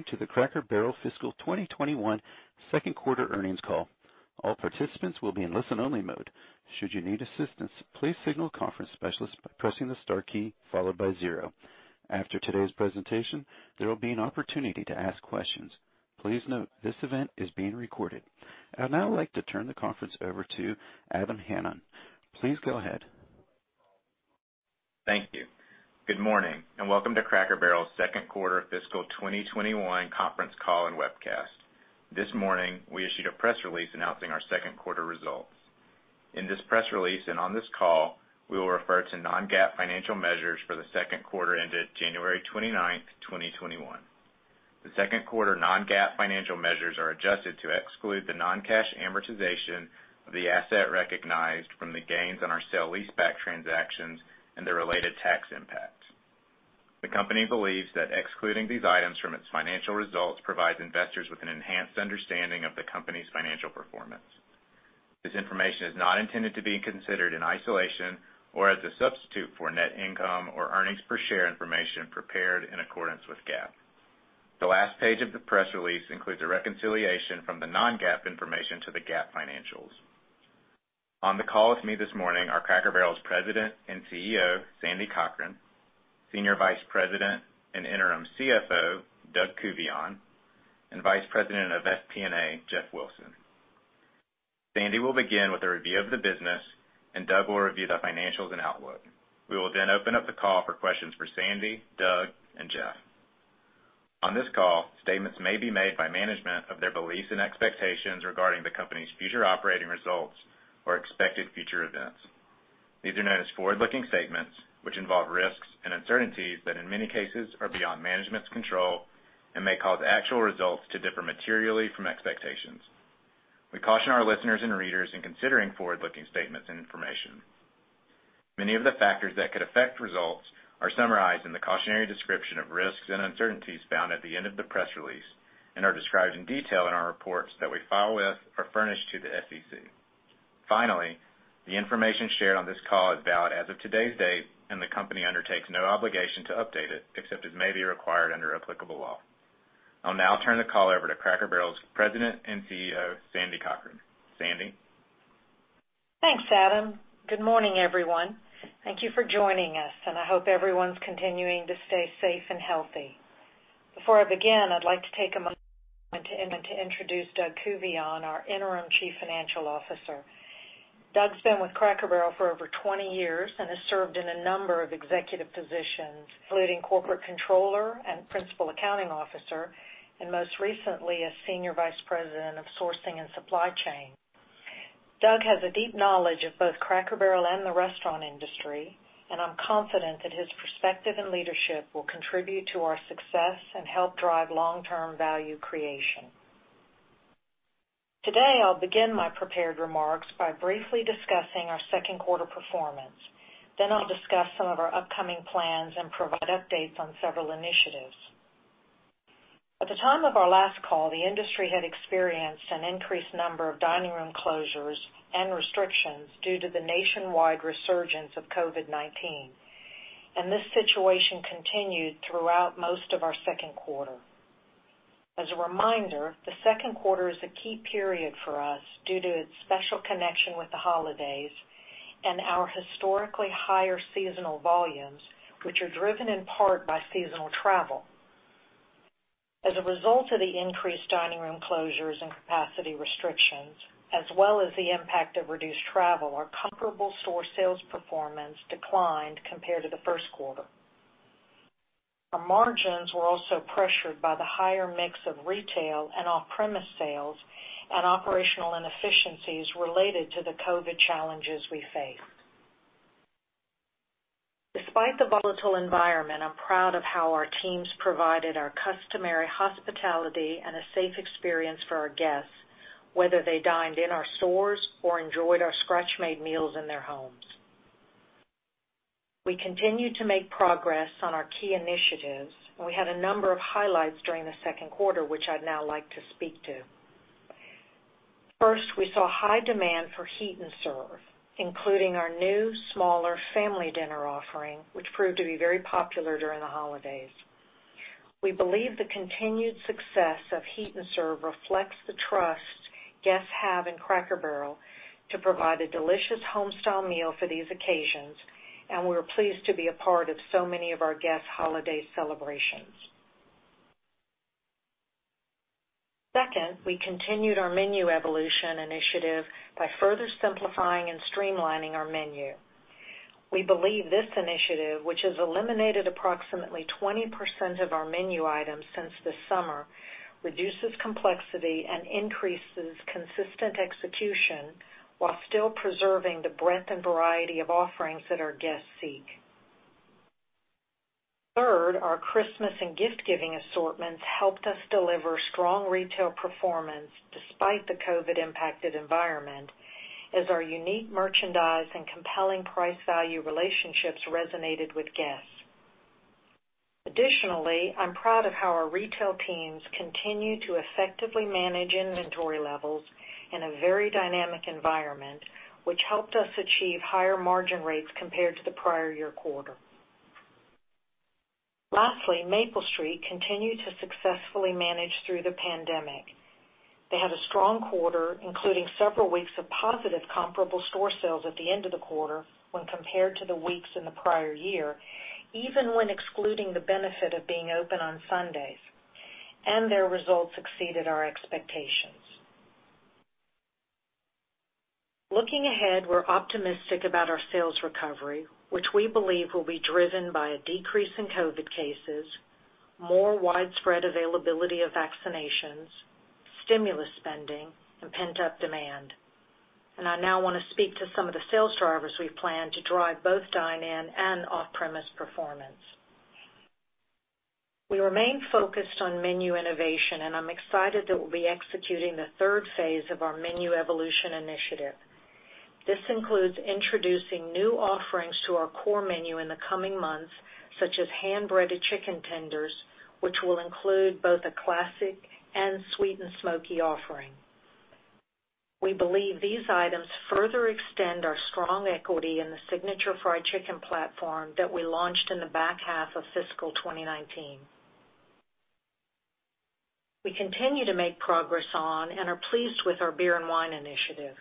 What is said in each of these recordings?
Welcome to the Cracker Barrel Fiscal 2021 Second Quarter Earnings Call. All participants will be on listen-only mode. Should you need assistance, please signal conference specialist by pressing star key followed by zero. After today's presentation, there will be an opportunity to ask questions. Please note this event is being recorded. I'd now like to turn the conference over to Adam Hanan. Please go ahead. Thank you. Good morning, and welcome to Cracker Barrel's second quarter fiscal 2021 conference call and webcast. This morning, we issued a press release announcing our second quarter results. In this press release and on this call, we will refer to non-GAAP financial measures for the second quarter ended January 29th, 2021. The second quarter non-GAAP financial measures are adjusted to exclude the non-cash amortization of the asset recognized from the gains on our sale-leaseback transactions and their related tax impact. The company believes that excluding these items from its financial results provides investors with an enhanced understanding of the company's financial performance. This information is not intended to be considered in isolation or as a substitute for net income or earnings per share information prepared in accordance with GAAP. The last page of the press release includes a reconciliation from the non-GAAP information to the GAAP financials. On the call with me this morning are Cracker Barrel's President and CEO, Sandy Cochran, Senior Vice President and Interim CFO, Doug Couvillion, and Vice President of FP&A, Jeff Wilson. Sandy will begin with a review of the business and Doug will review the financials and outlook. We will open up the call for questions for Sandy, Doug, and Jeff. On this call, statements may be made by management of their beliefs and expectations regarding the company's future operating results or expected future events. These are known as forward-looking statements, which involve risks and uncertainties that in many cases are beyond management's control and may cause actual results to differ materially from expectations. We caution our listeners and readers in considering forward-looking statements and information. Many of the factors that could affect results are summarized in the cautionary description of risks and uncertainties found at the end of the press release and are described in detail in our reports that we file with or furnish to the SEC. Finally, the information shared on this call is valid as of today's date, and the company undertakes no obligation to update it, except as may be required under applicable law. I'll now turn the call over to Cracker Barrel's President and CEO, Sandy Cochran. Sandy? Thanks, Adam. Good morning, everyone. Thank you for joining us, and I hope everyone's continuing to stay safe and healthy. Before I begin, I'd like to take a moment to introduce Doug Couvillion, our Interim Chief Financial Officer. Doug's been with Cracker Barrel for over 20 years and has served in a number of executive positions, including Corporate Controller and Principal Accounting Officer, and most recently as Senior Vice President of Sourcing and Supply Chain. Doug has a deep knowledge of both Cracker Barrel and the restaurant industry, and I'm confident that his perspective and leadership will contribute to our success and help drive long-term value creation. Today, I'll begin my prepared remarks by briefly discussing our second quarter performance. Then I'll discuss some of our upcoming plans and provide updates on several initiatives. At the time of our last call, the industry had experienced an increased number of dining room closures and restrictions due to the nationwide resurgence of COVID-19, and this situation continued throughout most of our second quarter. As a reminder, the second quarter is a key period for us due to its special connection with the holidays and our historically higher seasonal volumes, which are driven in part by seasonal travel. As a result of the increased dining room closures and capacity restrictions, as well as the impact of reduced travel, our comparable store sales performance declined compared to the first quarter. Our margins were also pressured by the higher mix of retail and off-premise sales and operational inefficiencies related to the COVID challenges we face. Despite the volatile environment, I'm proud of how our teams provided our customary hospitality and a safe experience for our guests, whether they dined in our stores or enjoyed our scratch-made meals in their homes. We continued to make progress on our key initiatives, and we had a number of highlights during the second quarter, which I'd now like to speak to. First, we saw high demand for Heat n' Serve, including our new, smaller family dinner offering, which proved to be very popular during the holidays. We believe the continued success of Heat n' Serve reflects the trust guests have in Cracker Barrel to provide a delicious home-style meal for these occasions, and we're pleased to be a part of so many of our guests' holiday celebrations. Second, we continued our Menu Evolution Initiative by further simplifying and streamlining our menu. We believe this initiative, which has eliminated approximately 20% of our menu items since this summer, reduces complexity and increases consistent execution while still preserving the breadth and variety of offerings that our guests seek. Third, our Christmas and gift-giving assortments helped us deliver strong retail performance despite the COVID-19-impacted environment, as our unique merchandise and compelling price-value relationships resonated with guests. Additionally, I'm proud of how our retail teams continue to effectively manage inventory levels in a very dynamic environment, which helped us achieve higher margin rates compared to the prior year quarter. Lastly, Maple Street continued to successfully manage through the pandemic. They had a strong quarter, including several weeks of positive comparable store sales at the end of the quarter when compared to the weeks in the prior year, even when excluding the benefit of being open on Sundays, and their results exceeded our expectations. Looking ahead, we're optimistic about our sales recovery, which we believe will be driven by a decrease in COVID cases, more widespread availability of vaccinations, stimulus spending, and pent-up demand. I now want to speak to some of the sales drivers we plan to drive both dine-in and off-premise performance. We remain focused on menu innovation, and I'm excited that we'll be executing the third phase of our Menu Evolution Initiative. This includes introducing new offerings to our core menu in the coming months, such as Hand-Breaded Chicken Tenders, which will include both a classic and sweet and smoky offering. We believe these items further extend our strong equity in the signature fried chicken platform that we launched in the back half of fiscal 2019. We continue to make progress on and are pleased with our beer and wine initiative.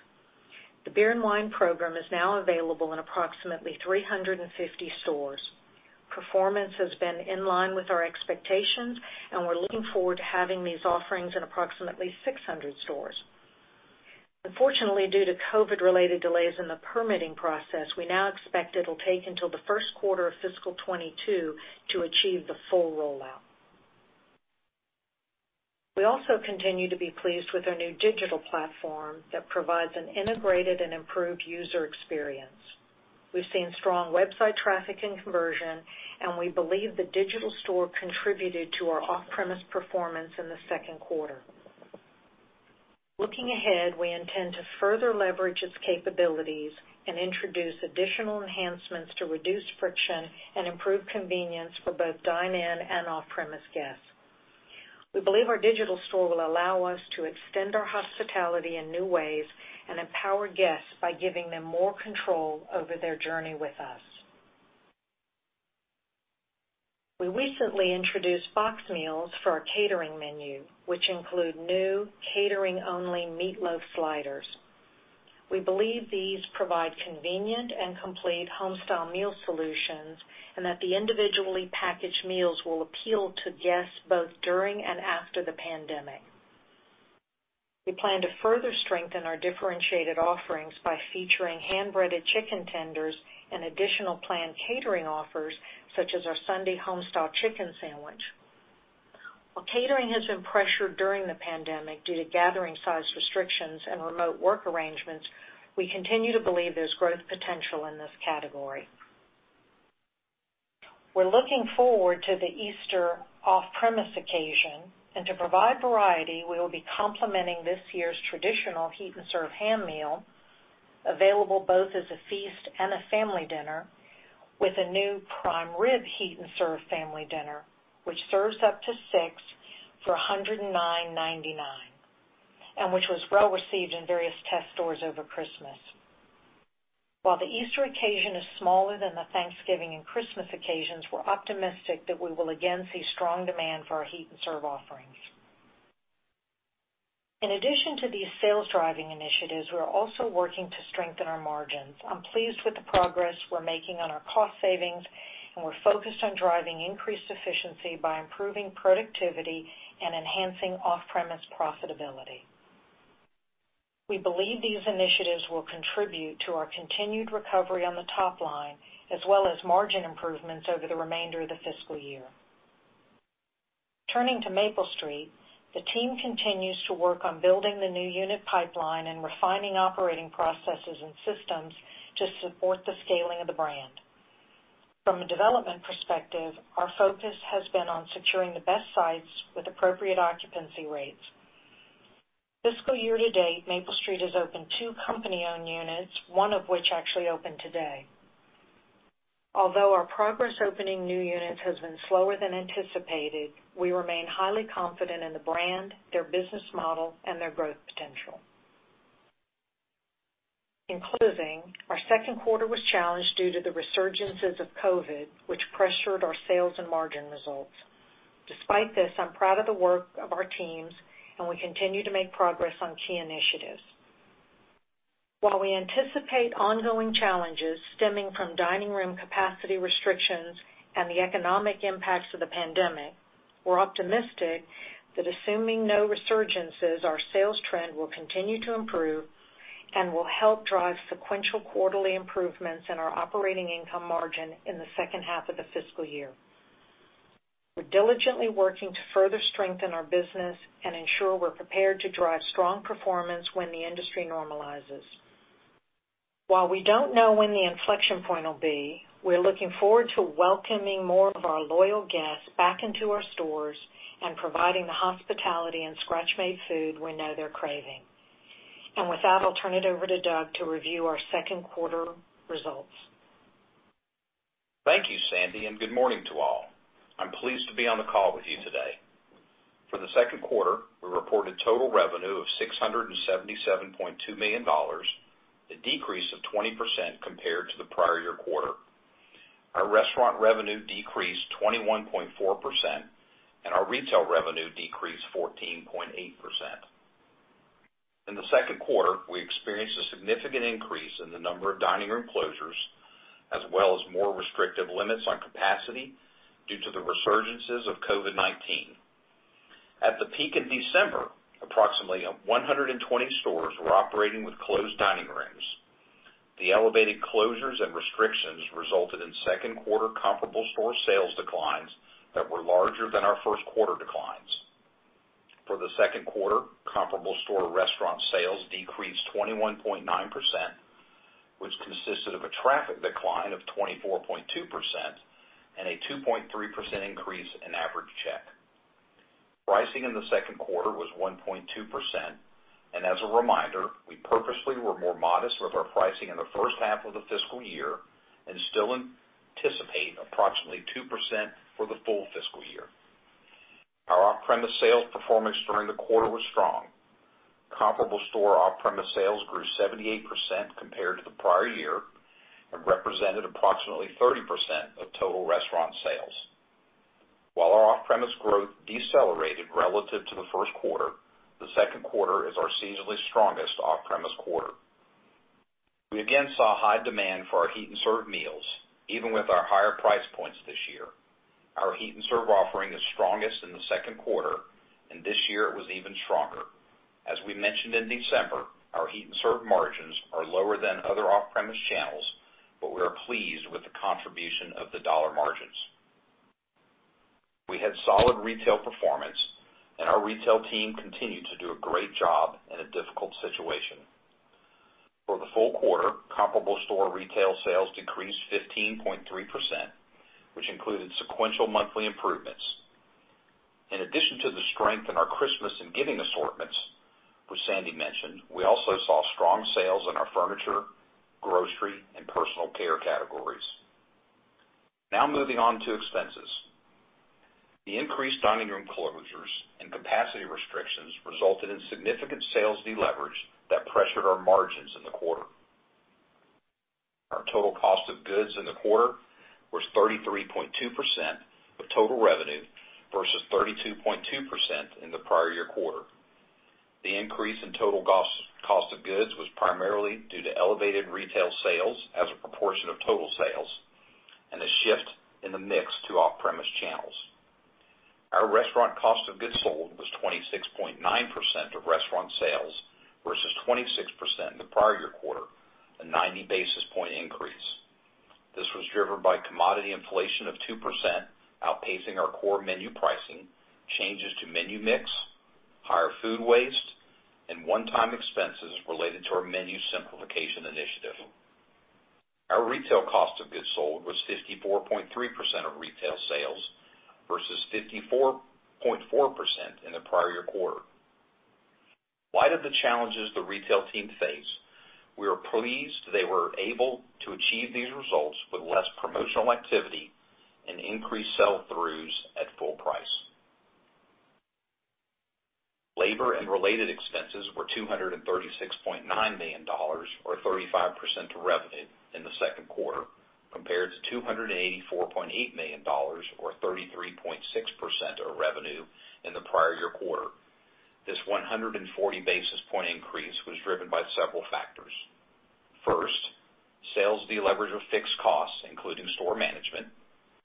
The beer and wine program is now available in approximately 350 stores. Performance has been in line with our expectations, and we're looking forward to having these offerings in approximately 600 stores. Unfortunately, due to COVID-related delays in the permitting process, we now expect it'll take until the first quarter of fiscal 2022 to achieve the full rollout. We also continue to be pleased with our new digital platform that provides an integrated and improved user experience. We've seen strong website traffic and conversion, and we believe the digital store contributed to our off-premise performance in the second quarter. Looking ahead, we intend to further leverage its capabilities and introduce additional enhancements to reduce friction and improve convenience for both dine-in and off-premise guests. We believe our digital store will allow us to extend our hospitality in new ways and empower guests by giving them more control over their journey with us. We recently introduced boxed meals for our catering menu, which include new catering-only Meatloaf Sliders. We believe these provide convenient and complete home-style meal solutions, and that the individually packaged meals will appeal to guests both during and after the pandemic. We plan to further strengthen our differentiated offerings by featuring Hand-Breaded Chicken Tenders and additional planned catering offers, such as our Sunday Homestyle Chicken sandwich. While catering has been pressured during the pandemic due to gathering size restrictions and remote work arrangements, we continue to believe there's growth potential in this category. We're looking forward to the Easter off-premise occasion, and to provide variety, we will be complementing this year's traditional Heat n' Serve ham meal, available both as a feast and a family dinner, with a new Prime Rib Heat n' Serve Family Dinner, which serves up to six for $109.99, and which was well received in various test stores over Christmas. While the Easter occasion is smaller than the Thanksgiving and Christmas occasions, we're optimistic that we will again see strong demand for our Heat n' Serve offerings. In addition to these sales-driving initiatives, we are also working to strengthen our margins. I'm pleased with the progress we're making on our cost savings, and we're focused on driving increased efficiency by improving productivity and enhancing off-premise profitability. We believe these initiatives will contribute to our continued recovery on the top line, as well as margin improvements over the remainder of the fiscal year. Turning to Maple Street, the team continues to work on building the new unit pipeline and refining operating processes and systems to support the scaling of the brand. From a development perspective, our focus has been on securing the best sites with appropriate occupancy rates. Fiscal year-to-date, Maple Street has opened two company-owned units, one of which actually opened today. Although our progress opening new units has been slower than anticipated, we remain highly confident in the brand, their business model, and their growth potential. In closing, our second quarter was challenged due to the resurgences of COVID, which pressured our sales and margin results. Despite this, I'm proud of the work of our teams, and we continue to make progress on key initiatives. While we anticipate ongoing challenges stemming from dining room capacity restrictions and the economic impacts of the pandemic, we're optimistic that assuming no resurgences, our sales trend will continue to improve and will help drive sequential quarterly improvements in our operating income margin in the second half of the fiscal year. We're diligently working to further strengthen our business and ensure we're prepared to drive strong performance when the industry normalizes. While we don't know when the inflection point will be, we're looking forward to welcoming more of our loyal guests back into our stores and providing the hospitality and scratch-made food we know they're craving. And with that, I'll turn it over to Doug to review our second quarter results. Thank you, Sandy, and good morning to all. I'm pleased to be on the call with you today. For the second quarter, we reported total revenue of $677.2 million, a decrease of 20% compared to the prior year quarter. Our restaurant revenue decreased 21.4%, and our retail revenue decreased 14.8%. In the second quarter, we experienced a significant increase in the number of dining room closures, as well as more restrictive limits on capacity due to the resurgences of COVID-19. At the peak in December, approximately 120 stores were operating with closed dining rooms. The elevated closures and restrictions resulted in second quarter comparable store sales declines that were larger than our first quarter declines. For the second quarter, comparable store restaurant sales decreased 21.9%, which consisted of a traffic decline of 24.2% and a 2.3% increase in average check. Pricing in the second quarter was 1.2%. And as a reminder, we purposefully were more modest with our pricing in the first half of the fiscal year and still anticipate approximately 2% for the full fiscal year. Our off-premise sales performance during the quarter was strong. Comparable store off-premise sales grew 78% compared to the prior year and represented approximately 30% of total restaurant sales. While our off-premise growth decelerated relative to the first quarter, the second quarter is our seasonally strongest off-premise quarter. We again saw high demand for our Heat n' Serve meals, even with our higher price points this year. Our Heat n' Serve offering is strongest in the second quarter, and this year it was even stronger. As we mentioned in December, our Heat n' Serve margins are lower than other off-premise channels, but we are pleased with the contribution of the dollar margins. We had solid retail performance, and our retail team continued to do a great job in a difficult situation. For the full quarter, comparable store retail sales decreased 15.3%, which included sequential monthly improvements. In addition to the strength in our Christmas and giving assortments, which Sandy mentioned, we also saw strong sales in our furniture, grocery, and personal care categories. Now moving on to expenses. The increased dining room closures and capacity restrictions resulted in significant sales deleverage that pressured our margins in the quarter. Our total cost of goods in the quarter was 33.2% of total revenue versus 32.2% in the prior year quarter. The increase in total cost of goods was primarily due to elevated retail sales as a proportion of total sales and a shift in the mix to off-premise channels. Our restaurant cost of goods sold was 26.9% of restaurant sales versus 26% in the prior year quarter, a 90 basis point increase. This was driven by commodity inflation of 2%, outpacing our core menu pricing, changes to menu mix, higher food waste, and one-time expenses related to our menu simplification initiative. Our retail cost of goods sold was 54.3% of retail sales versus 54.4% in the prior year quarter. In light of the challenges the retail team faced, we are pleased they were able to achieve these results with less promotional activity and increased sell throughs at full price. Labor and related expenses were $236.9 million or 35% of revenue in the second quarter, compared to $284.8 million or 33.6% of revenue in the prior year quarter. This 140 basis point increase was driven by several factors. First, sales deleverage of fixed costs, including store management.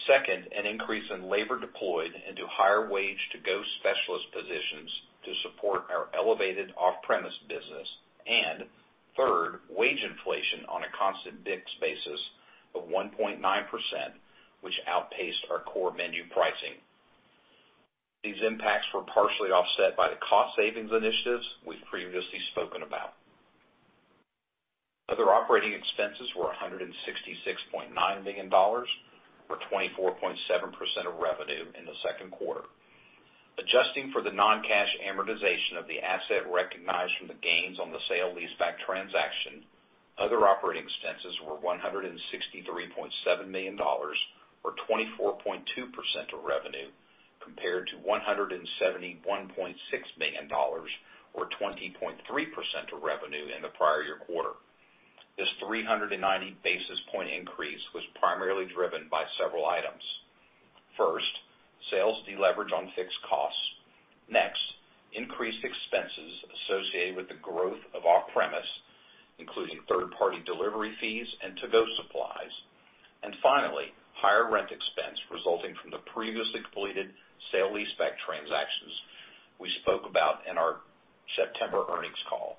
Second, an increase in labor deployed into higher wage To-Go Specialist positions to support our elevated off-premise business. And third, wage inflation on a constant mix basis of 1.9%, which outpaced our core menu pricing. These impacts were partially offset by the cost savings initiatives we've previously spoken about. Other operating expenses were $166.9 million or 24.7% of revenue in the second quarter. Adjusting for the non-cash amortization of the asset recognized from the gains on the sale-leaseback transaction, other operating expenses were $163.7 million or 24.2% of revenue, compared to $171.6 million or 20.3% of revenue in the prior year quarter. This 390 basis point increase was primarily driven by several items. First, sales deleverage on fixed costs. Next, increased expenses associated with the growth of off-premise, including third party delivery fees and to-go supplies. Finally, higher rent expense resulting from the previously completed sale-leaseback transactions we spoke about in our September earnings call.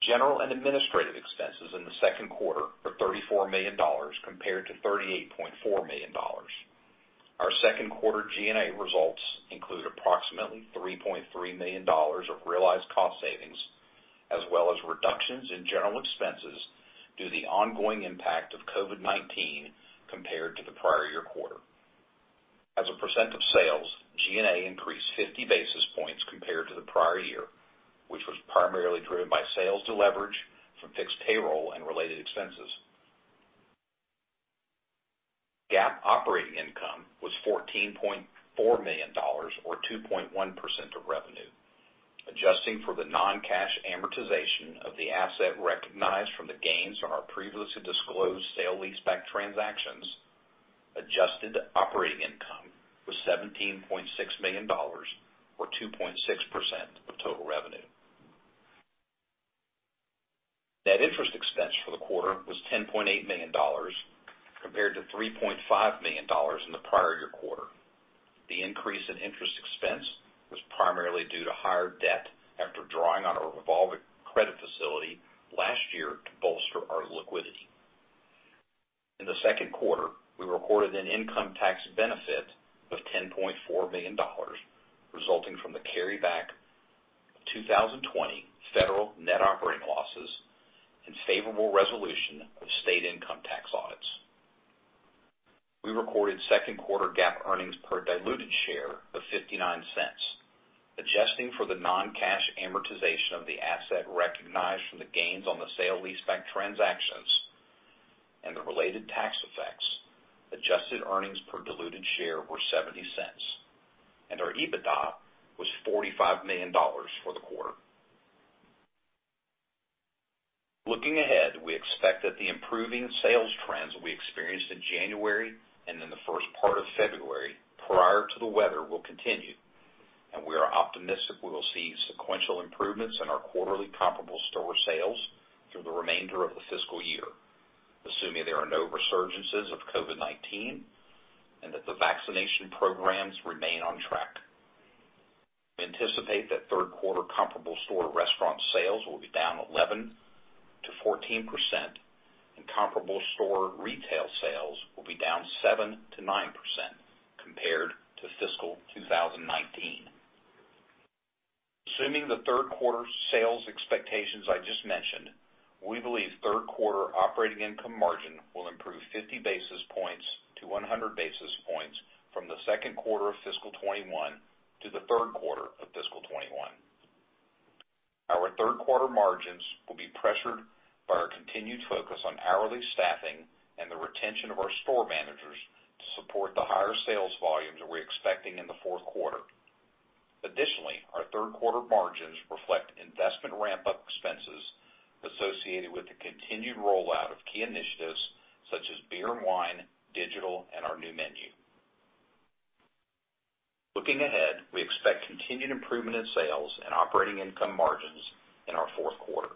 General and administrative expenses in the second quarter were $34 million compared to $38.4 million. Our second quarter G&A results include approximately $3.3 million of realized cost savings, as well as reductions in general expenses due to the ongoing impact of COVID-19 compared to the prior year quarter. As a percent of sales, G&A increased 50 basis points compared to the prior year, which was primarily driven by sales deleverage from fixed payroll and related expenses. GAAP operating income was $14.4 million, or 2.1% of revenue. Adjusting for the non-cash amortization of the asset recognized from the gains on our previously disclosed sale-leaseback transactions, adjusted operating income was $17.6 million, or 2.6% of total revenue. Net interest expense for the quarter was $10.8 million, compared to $3.5 million in the prior year quarter. The increase in interest expense was primarily due to higher debt after drawing on our revolving credit facility last year to bolster our liquidity. In the second quarter, we recorded an income tax benefit of $10.4 million, resulting from the carryback of 2020 federal net operating losses and favorable resolution of state income tax audits. We recorded second quarter GAAP earnings per diluted share of $0.59. Adjusting for the non-cash amortization of the asset recognized from the gains on the sale-leaseback transactions and the related tax effects, adjusted earnings per diluted share were $0.70, and our EBITDA was $45 million for the quarter. Looking ahead, we expect that the improving sales trends we experienced in January and in the first part of February prior to the weather will continue, and we are optimistic we will see sequential improvements in our quarterly comparable store sales through the remainder of the fiscal year, assuming there are no resurgences of COVID-19 and that the vaccination programs remain on track. Anticipate that third quarter comparable store restaurant sales will be down 11%-14%, and comparable store retail sales will be down 7%-9% compared to fiscal 2019. Assuming the third quarter sales expectations I just mentioned, we believe third quarter operating income margin will improve 50 basis points to 100 basis points from the second quarter of fiscal 2021 to the third quarter of fiscal 2021. Our third quarter margins will be pressured by our continued focus on hourly staffing and the retention of our store managers to support the higher sales volumes we're expecting in the fourth quarter. Additionally, our third quarter margins reflect investment ramp-up expenses associated with the continued rollout of key initiatives such as beer and wine, digital, and our new menu. Looking ahead, we expect continued improvement in sales and operating income margins in our fourth quarter,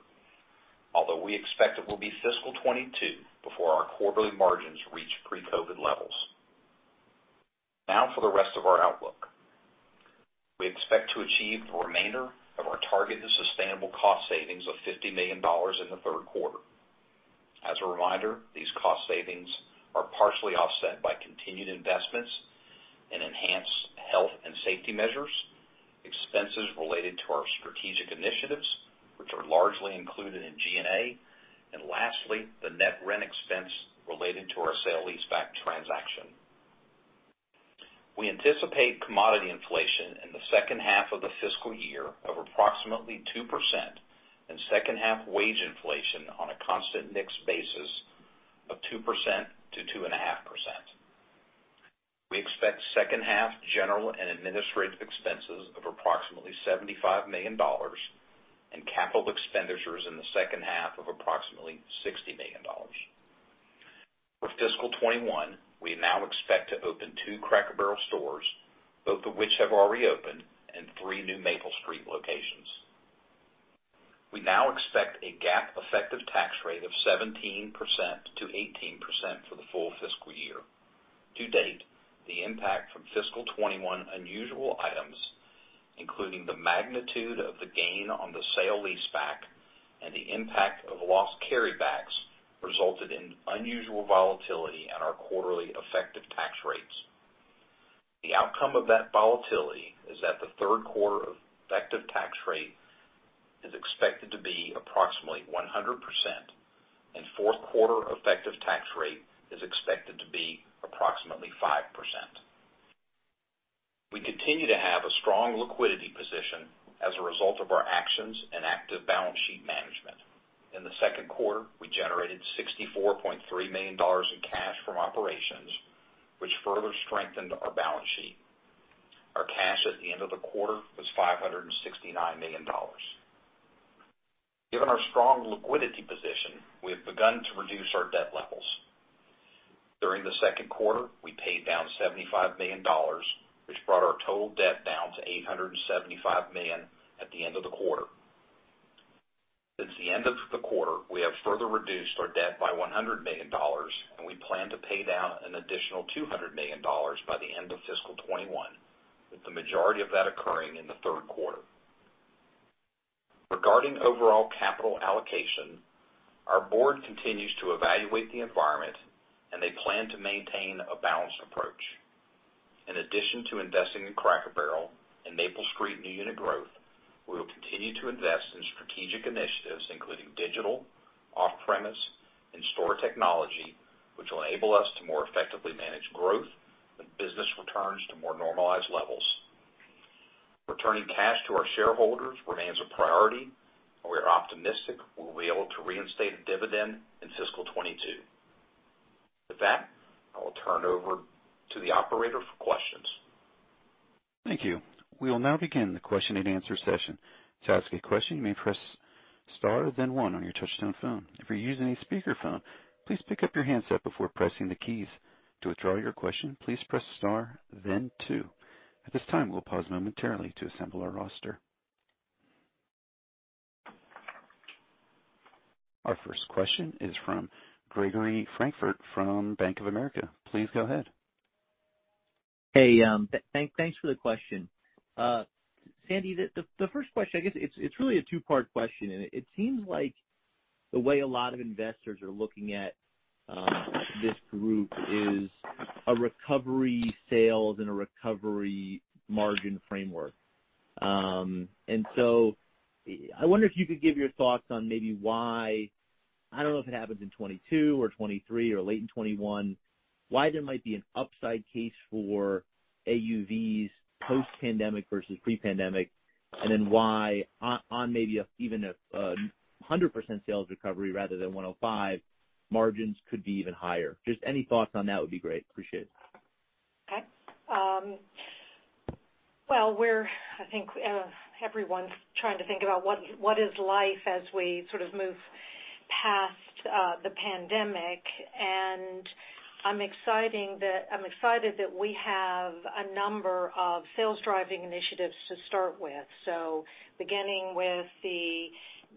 although we expect it will be fiscal 2022 before our quarterly margins reach pre-COVID levels. Now for the rest of our outlook. We expect to achieve the remainder of our target to sustainable cost savings of $50 million in the third quarter. As a reminder, these cost savings are partially offset by continued investments in enhanced health and safety measures, expenses related to our strategic initiatives, which are largely included in G&A, and lastly, the net rent expense related to our sale-leaseback transaction. We anticipate commodity inflation in the second half of the fiscal year of approximately 2% and second half wage inflation on a constant mix basis of 2%-2.5%. We expect second half general and administrative expenses of approximately $75 million and capital expenditures in the second half of approximately $60 million. For fiscal 2021, we now expect to open two Cracker Barrel stores, both of which have already opened, and three new Maple Street locations. We now expect a GAAP effective tax rate of 17%-18% for the full fiscal year. To date, the impact from fiscal 2021 unusual items, including the magnitude of the gain on the sale-leaseback and the impact of loss carrybacks, resulted in unusual volatility on our quarterly effective tax rates. The outcome of that volatility is that the third quarter effective tax rate is expected to be approximately 100%, and fourth quarter effective tax rate is expected to be approximately 5%. We continue to have a strong liquidity position as a result of our actions and active balance sheet management. In the second quarter, we generated $64.3 million in cash from operations, which further strengthened our balance sheet. Our cash at the end of the quarter was $569 million. Given our strong liquidity position, we have begun to reduce our debt levels. During the second quarter, we paid down $75 million, which brought our total debt down to $875 million at the end of the quarter. Since the end of the quarter, we have further reduced our debt by $100 million, and we plan to pay down an additional $200 million by the end of fiscal 2021, with the majority of that occurring in the third quarter. Regarding overall capital allocation, our board continues to evaluate the environment, and they plan to maintain a balanced approach. In addition to investing in Cracker Barrel and Maple Street new unit growth, we will continue to invest in strategic initiatives, including digital, off-premise, and store technology, which will enable us to more effectively manage growth when business returns to more normalized levels. Returning cash to our shareholders remains a priority, and we are optimistic we'll be able to reinstate a dividend in fiscal 2022. With that, I will turn over to the operator for questions. Thank you. We will now begin the question-and-answer session. To ask a question, you may press star then one on your touchtone phone. If you are using a speaker phone, please pick up your handset before pressing the keys. To withdraw your question, please press star then two. At this time, we will pause momentarily to assemble our roster. Our first question is from Gregory Francfort from Bank of America. Please go ahead. Hey, thanks for the question. Sandy, the first question, I guess it's really a two-part question. It seems like the way a lot of investors are looking at this group is a recovery sales and a recovery margin framework. I wonder if you could give your thoughts on maybe why, I don't know if it happens in 2022 or 2023 or late in 2021, why there might be an upside case for AUVs post-pandemic versus pre-pandemic, and then why on maybe even 100% sales recovery rather than 105 margins could be even higher. Just any thoughts on that would be great. Appreciate it. Okay. Well, I think everyone's trying to think about what is life as we sort of move past the pandemic, and I'm exciting that, I'm excited that we have a number of sales-driving initiatives to start with. Beginning with the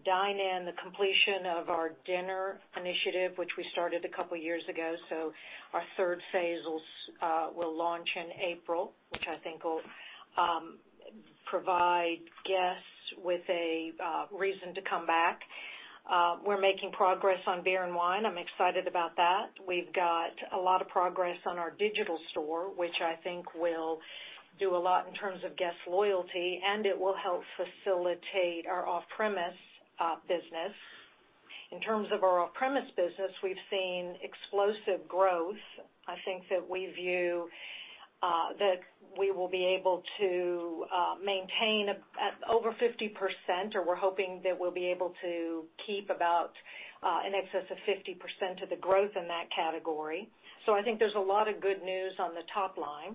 dine-in, the completion of our dinner initiative, which we started a couple of years ago. Our third phase will launch in April, which I think will provide guests with a reason to come back. We're making progress on beer and wine. I'm excited about that. We've got a lot of progress on our digital store, which I think will do a lot in terms of guest loyalty, and it will help facilitate our off-premise business. In terms of our off-premise business, we've seen explosive growth. I think that we view that we will be able to maintain over 50%, or we're hoping that we'll be able to keep about in excess of 50% of the growth in that category. I think there's a lot of good news on the top line.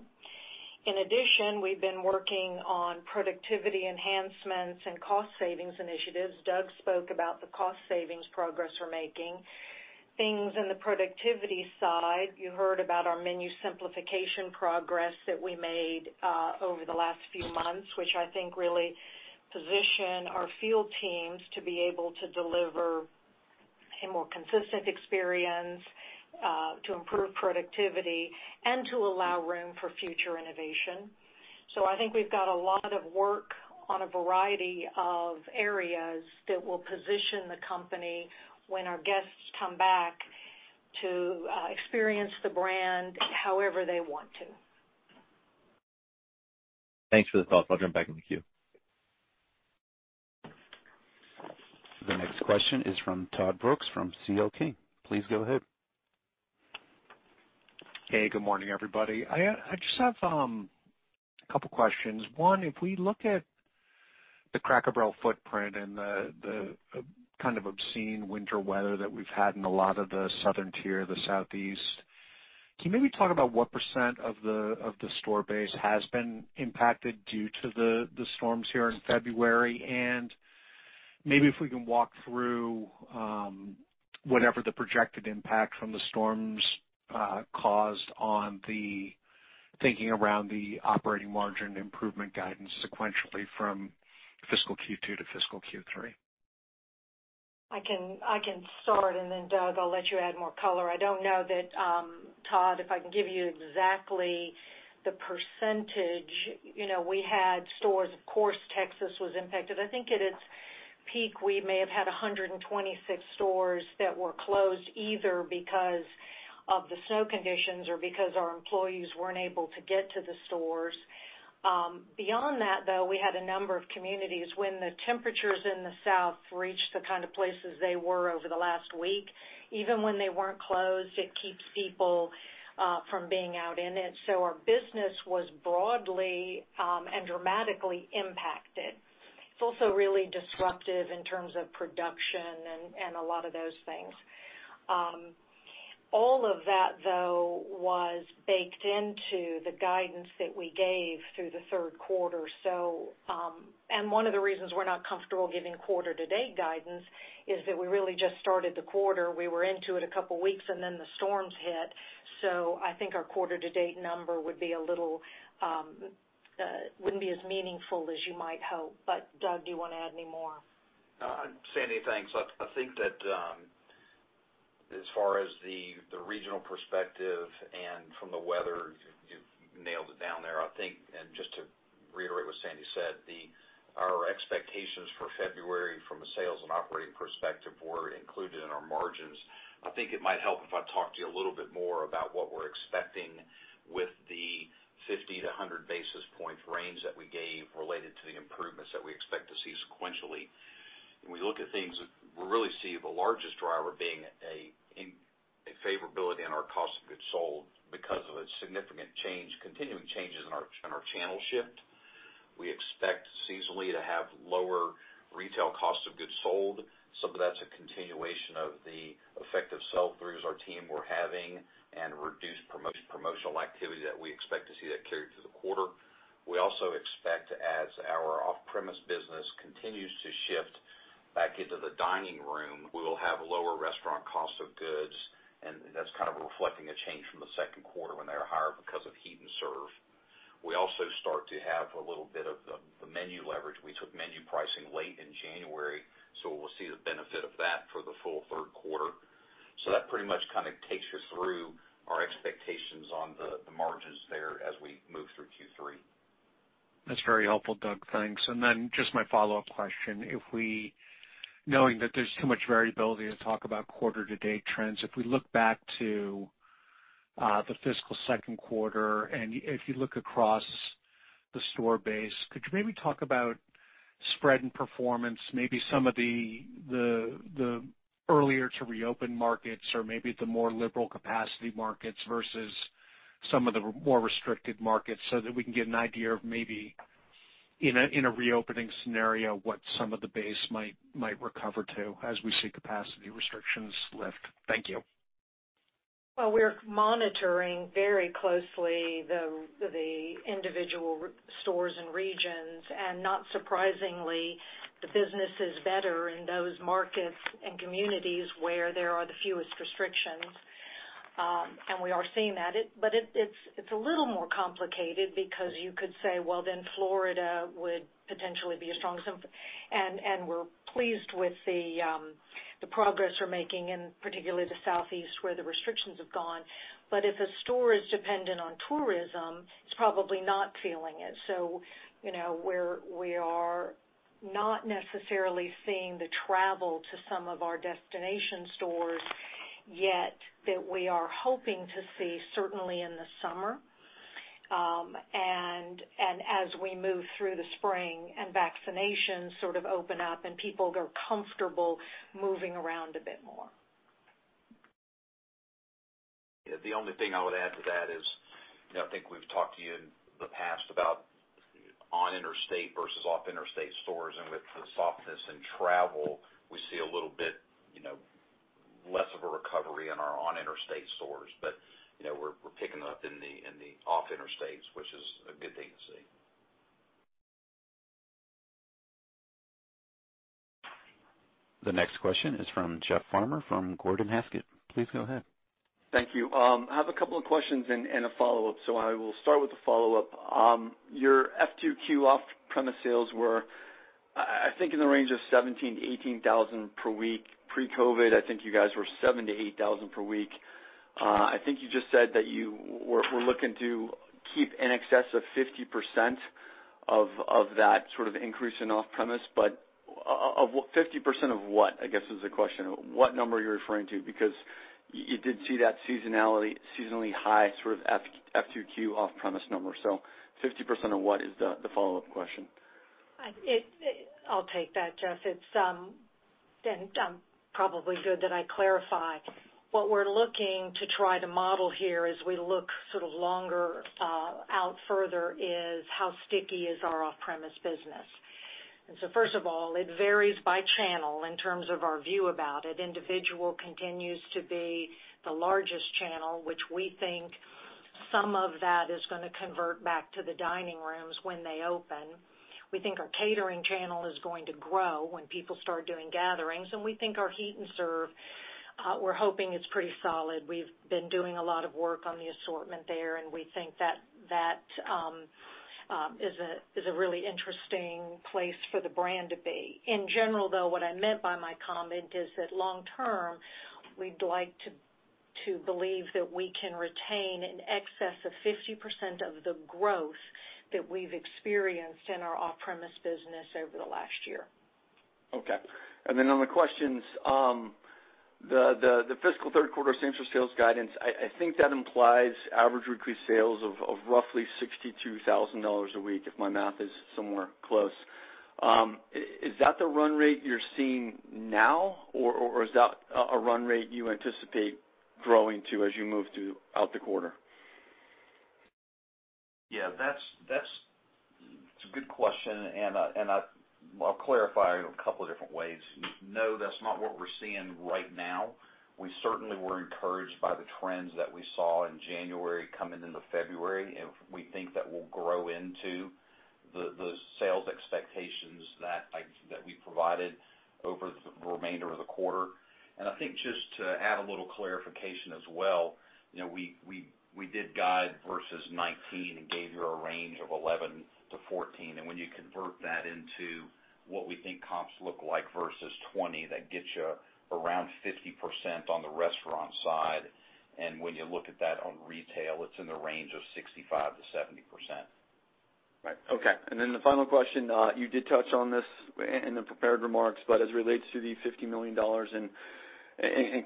In addition, we've been working on productivity enhancements and cost savings initiatives. Doug spoke about the cost savings progress we're making. Things in the productivity side, you heard about our menu simplification progress that we made over the last few months, which I think really position our field teams to be able to deliver a more consistent experience, to improve productivity, and to allow room for future innovation. I think we've got a lot of work on a variety of areas that will position the company when our guests come back to experience the brand however they want to. Thanks for the color. I'll jump back in the queue. The next question is from Todd Brooks from C.L. King. Please go ahead. Hey, good morning, everybody. I just have a couple of questions. One, if we look at the Cracker Barrel footprint and the kind of obscene winter weather that we've had in a lot of the southern tier, the Southeast, can you maybe talk about what percent of the store base has been impacted due to the storms here in February? And maybe if we can walk through whatever the projected impact from the storms caused on the thinking around the operating margin improvement guidance sequentially from fiscal Q2 to fiscal Q3. I can start and then Doug, I'll let you add more color. I don't know that, Todd, if I can give you exactly the percentage. We had stores, of course, Texas was impacted. I think at its peak, we may have had 126 stores that were closed, either because of the snow conditions or because our employees weren't able to get to the stores. Beyond that, though, we had a number of communities when the temperatures in the South reached the kind of places they were over the last week, even when they weren't closed, it keeps people from being out in it. Our business was broadly and dramatically impacted. It's also really disruptive in terms of production and a lot of those things. All of that, though, was baked into the guidance that we gave through the third quarter. And one of the reasons we're not comfortable giving quarter-to-date guidance is that we really just started the quarter. We were into it a couple of weeks and then the storms hit. I think our quarter-to-date number would be a little, wouldn't be as meaningful as you might hope. But Doug, do you want to add any more? Sandy, thanks. I think that as far as the regional perspective and from the weather, you nailed it down there. I think, just to reiterate what Sandy said, our expectations for February from a sales and operating perspective were included in our margins. I think it might help if I talk to you a little bit more about what we're expecting with the 50-100 basis points range that we gave related to the improvements that we expect to see sequentially. When we look at things, we really see the largest driver being a favorability in our cost of goods sold because of a significant change, continuing changes in our channel shift. We expect seasonally to have lower retail cost of goods sold. Some of that's a continuation of the effective sell-throughs our team were having and reduced promotional activity that we expect to see that carry through the quarter. We also expect as our off-premise business continues to shift back into the dining room, we will have lower restaurant cost of goods, and that's kind of reflecting a change from the second quarter when they were higher because of Heat n' Serve. We also start to have a little bit of the menu leverage. We took menu pricing late in January, so we'll see the benefit of that for the full third quarter. That pretty much kind of takes us through our expectations on the margins there as we move through Q3. That's very helpful, Doug. Thanks. And then just my follow-up question. If we, knowing that there's too much variability to talk about quarter-to-date trends, if we look back to the fiscal second quarter, and if you look across the store base, could you maybe talk about spread and performance, maybe some of the earlier to reopen markets or maybe the more liberal capacity markets versus some of the more restricted markets so that we can get an idea of maybe in a reopening scenario, what some of the base might recover to as we see capacity restrictions lift? Thank you. Well, we're monitoring very closely the individual stores and regions, and not surprisingly, the business is better in those markets and communities where there are the fewest restrictions. And we are seeing that. But it's a little more complicated because you could say, "Well, then Florida would potentially be a strong", and we're pleased with the progress we're making, in particular the Southeast, where the restrictions have gone. But if a store is dependent on tourism, it's probably not feeling it. So, we are not necessarily seeing the travel to some of our destination stores yet that we are hoping to see certainly in the summer, and as we move through the spring and vaccinations sort of open up and people grow comfortable moving around a bit more. Yeah. The only thing I would add to that is, I think we've talked to you in the past about on interstate versus off interstate stores. With the softness in travel, we see a little bit less of a recovery in our on interstate stores. We're picking up in the off interstates, which is a good thing to see. The next question is from Jeff Farmer from Gordon Haskett. Please go ahead. Thank you. I have a couple of questions and a follow-up. I will start with the follow-up. Your F2Q off-premise sales were, I think in the range of $17,000-$18,000 per week. Pre-COVID, I think you guys were $7,000-$8,000 per week. I think you just said that you were looking to keep in excess of 50% of that sort of increase in off-premise, but 50% of what, I guess is the question. What number are you referring to? Because you did see that seasonally high sort of F2Q off-premise number. 50% of what is the follow-up question. I'll take that, Jeff. It's probably good that I clarify. What we're looking to try to model here as we look sort of longer out further is how sticky is our off-premise business. First of all, it varies by channel in terms of our view about it. Individual continues to be the largest channel, which we think some of that is going to convert back to the dining rooms when they open. We think our catering channel is going to grow when people start doing gatherings, so we think our Heat n' Serve, we're hoping it's pretty solid. We've been doing a lot of work on the assortment there, and we think that is a really interesting place for the brand to be. In general, though, what I meant by my comment is that long term, we'd like to believe that we can retain in excess of 50% of the growth that we've experienced in our off-premise business over the last year. Okay. And then on the questions, the fiscal third quarter same-store sales guidance, I think that implies average increased sales of roughly $62,000 a week, if my math is somewhere close. Is that the run rate you're seeing now, or is that a run rate you anticipate growing to as you move throughout the quarter? Yeah, that's a good question, and I'll clarify it in a couple of different ways. No, that's not what we're seeing right now. We certainly were encouraged by the trends that we saw in January coming into February. We think that will grow into the sales expectations that we provided over the remainder of the quarter. And I think just to add a little clarification as well, we did guide versus 2019 and gave you a range of 11%-14%. When you convert that into what we think comps look like versus 2020, that gets you around 50% on the restaurant side. When you look at that on retail, it's in the range of 65%-70%. Right. Okay. And then the final question, you did touch on this in the prepared remarks, as it relates to the $50 million in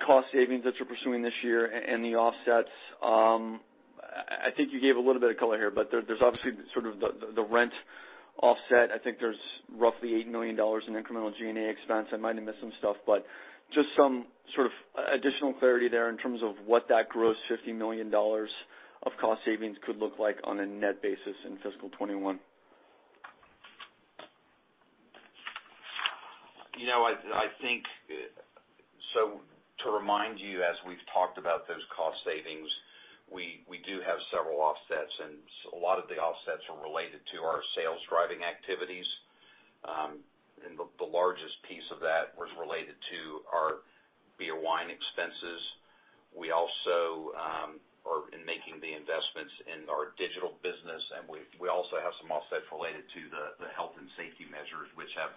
cost savings that you're pursuing this year and the offsets. I think you gave a little bit of color here. There's obviously the rent offset. I think there's roughly $8 million in incremental G&A expense. I might have missed some stuff, just some sort of additional clarity there in terms of what that gross $50 million of cost savings could look like on a net basis in fiscal 2021. I think, so, to remind you, as we've talked about those cost savings, we do have several offsets, and a lot of the offsets are related to our sales driving activities. The largest piece of that was related to our beer and wine expenses. We also are making the investments in our digital business, and we also have some offsets related to the health and safety measures which have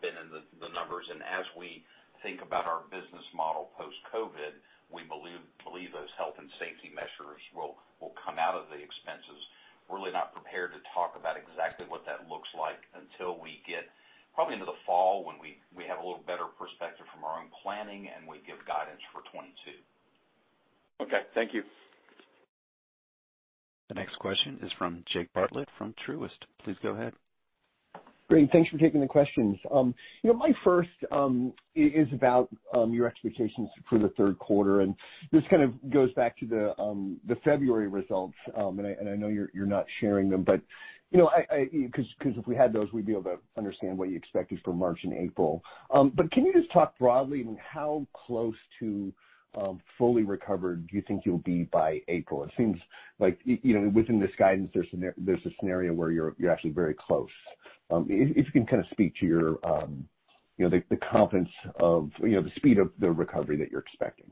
been in the numbers. As we think about our business model post-COVID-19, we believe those health and safety measures will come out of the expenses. We're really not prepared to talk about exactly what that looks like until we get probably into the fall when we have a little better perspective from our own planning and we give guidance for 2022. Okay, thank you. The next question is from Jake Bartlett from Truist. Please go ahead. Great. Thanks for taking the questions. My first is about your expectations for the third quarter, and this kind of goes back to the February results. I know you're not sharing them, because if we had those, we'd be able to understand what you expected for March and April. But can you just talk broadly on how close to fully recovered do you think you'll be by April? It seems like within this guidance, there's a scenario where you're actually very close. If you can kind of speak to the confidence of the speed of the recovery that you're expecting.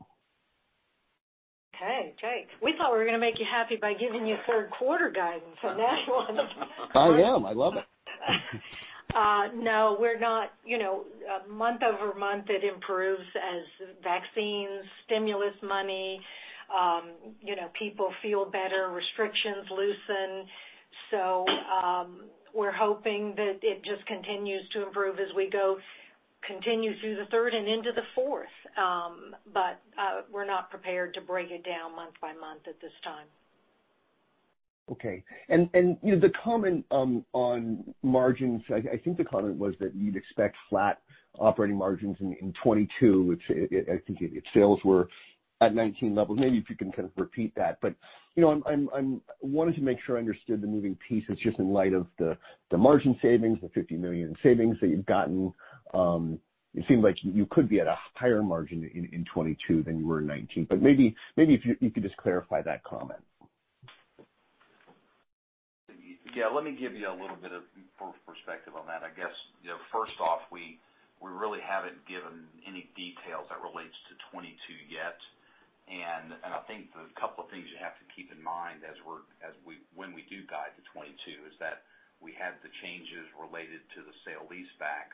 Okay, Jake. We thought we were going to make you happy by giving you third quarter guidance, so now you want to. I am. I love it. No, we're not. Month-over-month, it improves as vaccines, stimulus money, people feel better, restrictions loosen. We're hoping that it just continues to improve as we go, continue through the third and into the fourth. We're not prepared to break it down month-by-month at this time. Okay. The comment on margins, I think the comment was that you'd expect flat operating margins in 2022, if sales were at 2019 levels. Maybe if you can kind of repeat that. I wanted to make sure I understood the moving pieces, just in light of the margin savings, the $50 million in savings that you've gotten. It seems like you could be at a higher margin in 2022 than you were in 2019. But maybe, maybe if you could just clarify that comment. Yeah, let me give you a little bit of perspective on that. I guess, first off, we really haven't given any details that relates to 2022 yet. And I think the couple of things you have to keep in mind when we do guide to 2022 is that we have the changes related to the sale-leaseback,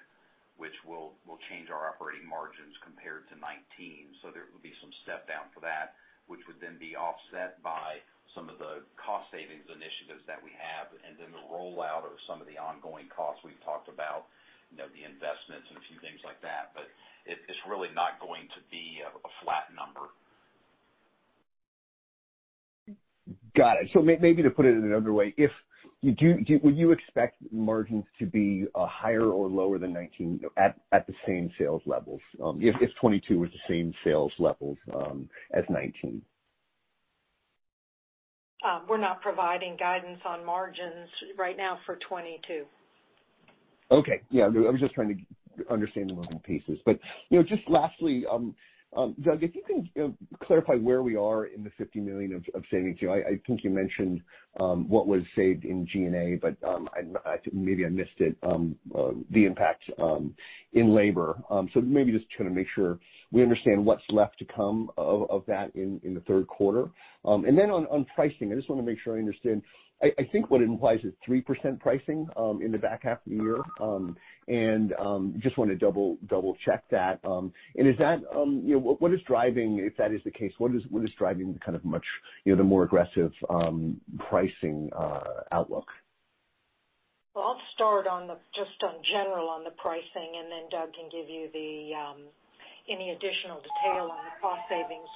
which will change our operating margins compared to 2019. There will be some step down for that, which would then be offset by some of the cost savings initiatives that we have, and then the rollout of some of the ongoing costs we've talked about, the investments and a few things like that. It's really not going to be a flat number. Got it. Maybe to put it in another way, would you expect margins to be higher or lower than 2019 at the same sales levels? If 2022 was the same sales levels as 2019. We're not providing guidance on margins right now for 2022. Okay. Yeah, I was just trying to understand the moving pieces. Just lastly, Doug, if you can clarify where we are in the $50 million of savings, too. I think you mentioned what was saved in G&A, but maybe I missed it, the impact in labor. Maybe just trying to make sure we understand what's left to come of that in the third quarter. And then on pricing, I just want to make sure I understand. I think what it implies is 3% pricing in the back half of the year, and just want to double check that. If that is the case, what is driving the more aggressive pricing outlook? I'll start just on general on the pricing, and then Doug can give you any additional detail on the cost savings.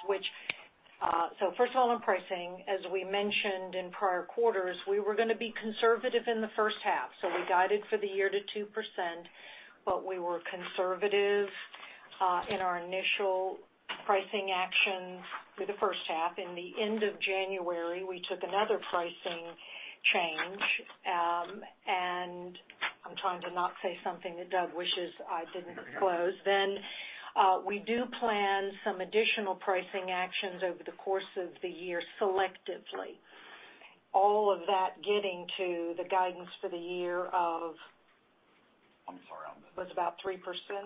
First of all, on pricing, as we mentioned in prior quarters, we were going to be conservative in the first half. We guided for the year to 2%, but we were conservative in our initial pricing actions for the first half. In the end of January, we took another pricing change. I'm trying to not say something that Doug wishes I didn't disclose. We do plan some additional pricing actions over the course of the year selectively. All of that getting to the guidance for the year of... I'm sorry. Was about 3%?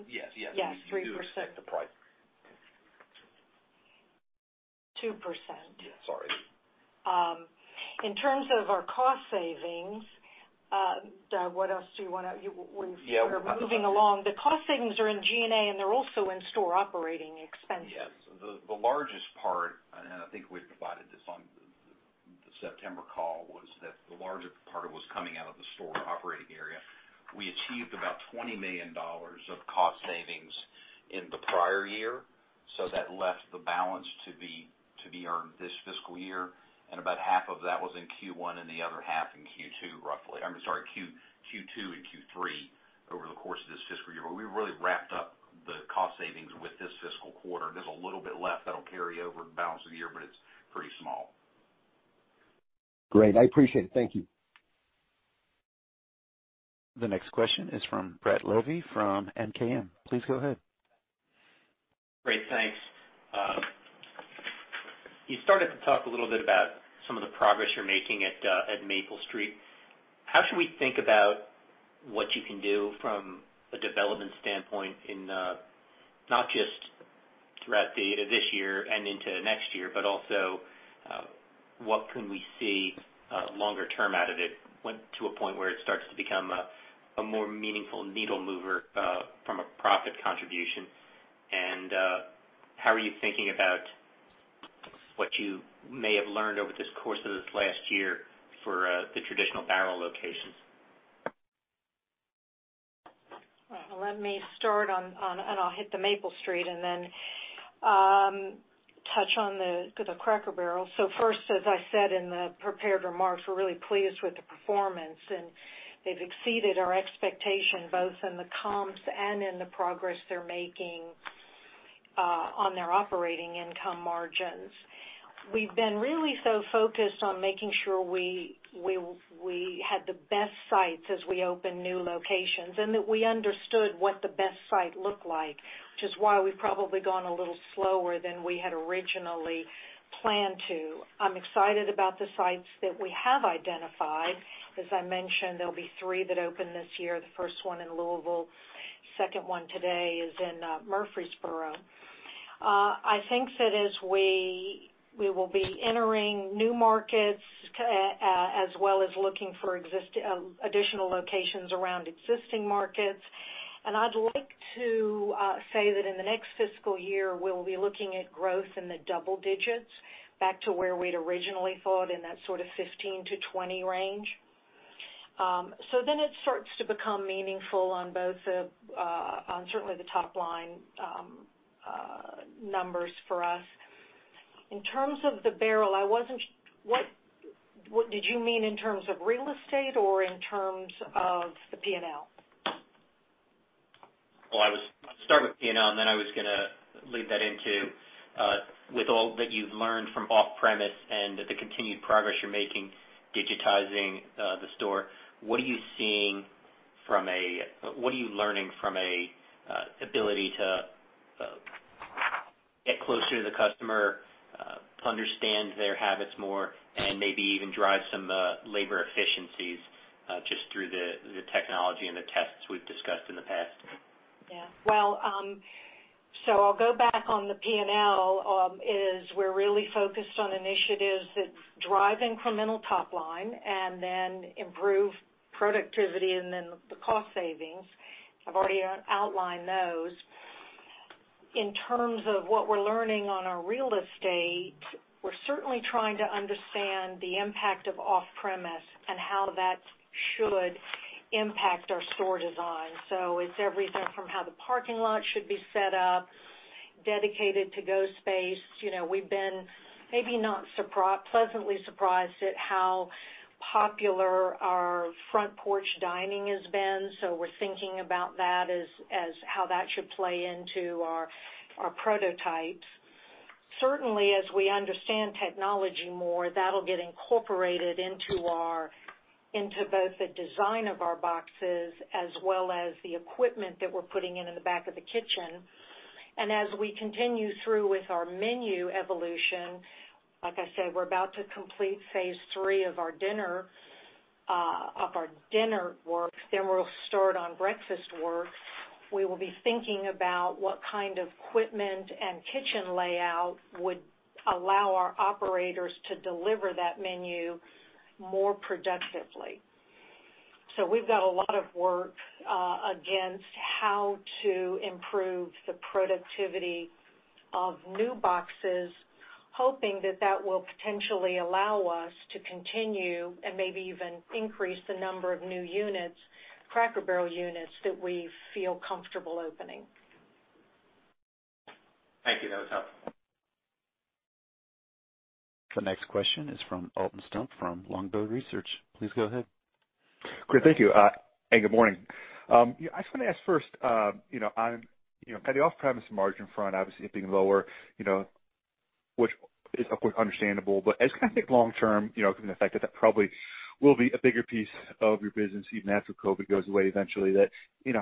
Yes. Yeah, 3%. You do expect the price. 2%. Yeah, sorry. In terms of our cost savings, Doug, what else do you wanna- Yeah. we're moving along. The cost savings are in G&A, and they're also in store operating expenses. Yes. The largest part, and I think we provided this on the September call, was that the larger part of it was coming out of the store operating area. We achieved about $20 million of cost savings in the prior year. So that left the balance to be earned this fiscal year, and about half of that was in Q1 and the other half in Q2, roughly. I'm sorry, Q2 and Q3 over the course of this fiscal year. We really wrapped up the cost savings with this fiscal quarter. There's a little bit left that'll carry over the balance of the year, but it's pretty small. Great. I appreciate it. Thank you. The next question is from Brett Levy from MKM. Please go ahead. Great, thanks. You started to talk a little bit about some of the progress you're making at Maple Street. How should we think about what you can do from a development standpoint, not just throughout this year and into next year, but also, what can we see longer term out of it, when to a point where it starts to become a more meaningful needle mover, from a profit contribution? How are you thinking about what you may have learned over this course of this last year for the traditional Barrel locations? Let me start on, I'll hit the Maple Street and then touch on the Cracker Barrel. First, as I said in the prepared remarks, we're really pleased with the performance, and they've exceeded our expectation, both in the comps and in the progress they're making on their operating income margins. We've been really so focused on making sure we had the best sites as we open new locations, and that we understood what the best site looked like, which is why we've probably gone a little slower than we had originally planned to. I'm excited about the sites that we have identified. As I mentioned, there'll be three that open this year. The first one in Louisville, second one today is in Murfreesboro. I think that as we will be entering new markets, as well as looking for additional locations around existing markets. I'd like to say that in the next fiscal year, we'll be looking at growth in the double digits back to where we'd originally thought in that sort of 15%-20% range. So then it starts to become meaningful on certainly the top line numbers for us. In terms of the Barrel, did you mean in terms of real estate or in terms of the P&L? Well, I'll start with P&L and then I was going to lead that into, with all that you've learned from off-premise and the continued progress you're making digitizing the store, what are you seeing from a- what are you learning from an ability to get closer to the customer, understand their habits more, and maybe even drive some labor efficiencies, just through the technology and the tests we've discussed in the past? Well, I'll go back on the P&L, is we're really focused on initiatives that drive incremental top line and then improve productivity and then the cost savings. I've already outlined those. In terms of what we're learning on our real estate, we're certainly trying to understand the impact of off-premise and how that should impact our store design. It's everything from how the parking lot should be set up, dedicated to go space. We've been maybe not pleasantly surprised at how popular our front porch dining has been, so we're thinking about that as how that should play into our prototypes. Certainly, as we understand technology more, that'll get incorporated into our... into both the design of our boxes as well as the equipment that we're putting in in the back of the kitchen. And as we continue through with our menu evolution, like I said, we're about to complete phase III of our dinner work, and we'll start on breakfast work. We will be thinking about what kind of equipment and kitchen layout would allow our operators to deliver that menu more productively. We've got a lot of work against how to improve the productivity of new boxes, hoping that that will potentially allow us to continue and maybe even increase the number of new units, Cracker Barrel units that we feel comfortable opening. Thank you. That was helpful. The next question is from Alton Stump from Longbow Research. Please go ahead. Great. Thank you. Hey, good morning. I just want to ask first, on the off-premise margin front, obviously it being lower, which is of course understandable. As you kind of think long term, given the fact that that probably will be a bigger piece of your business even after COVID goes away eventually,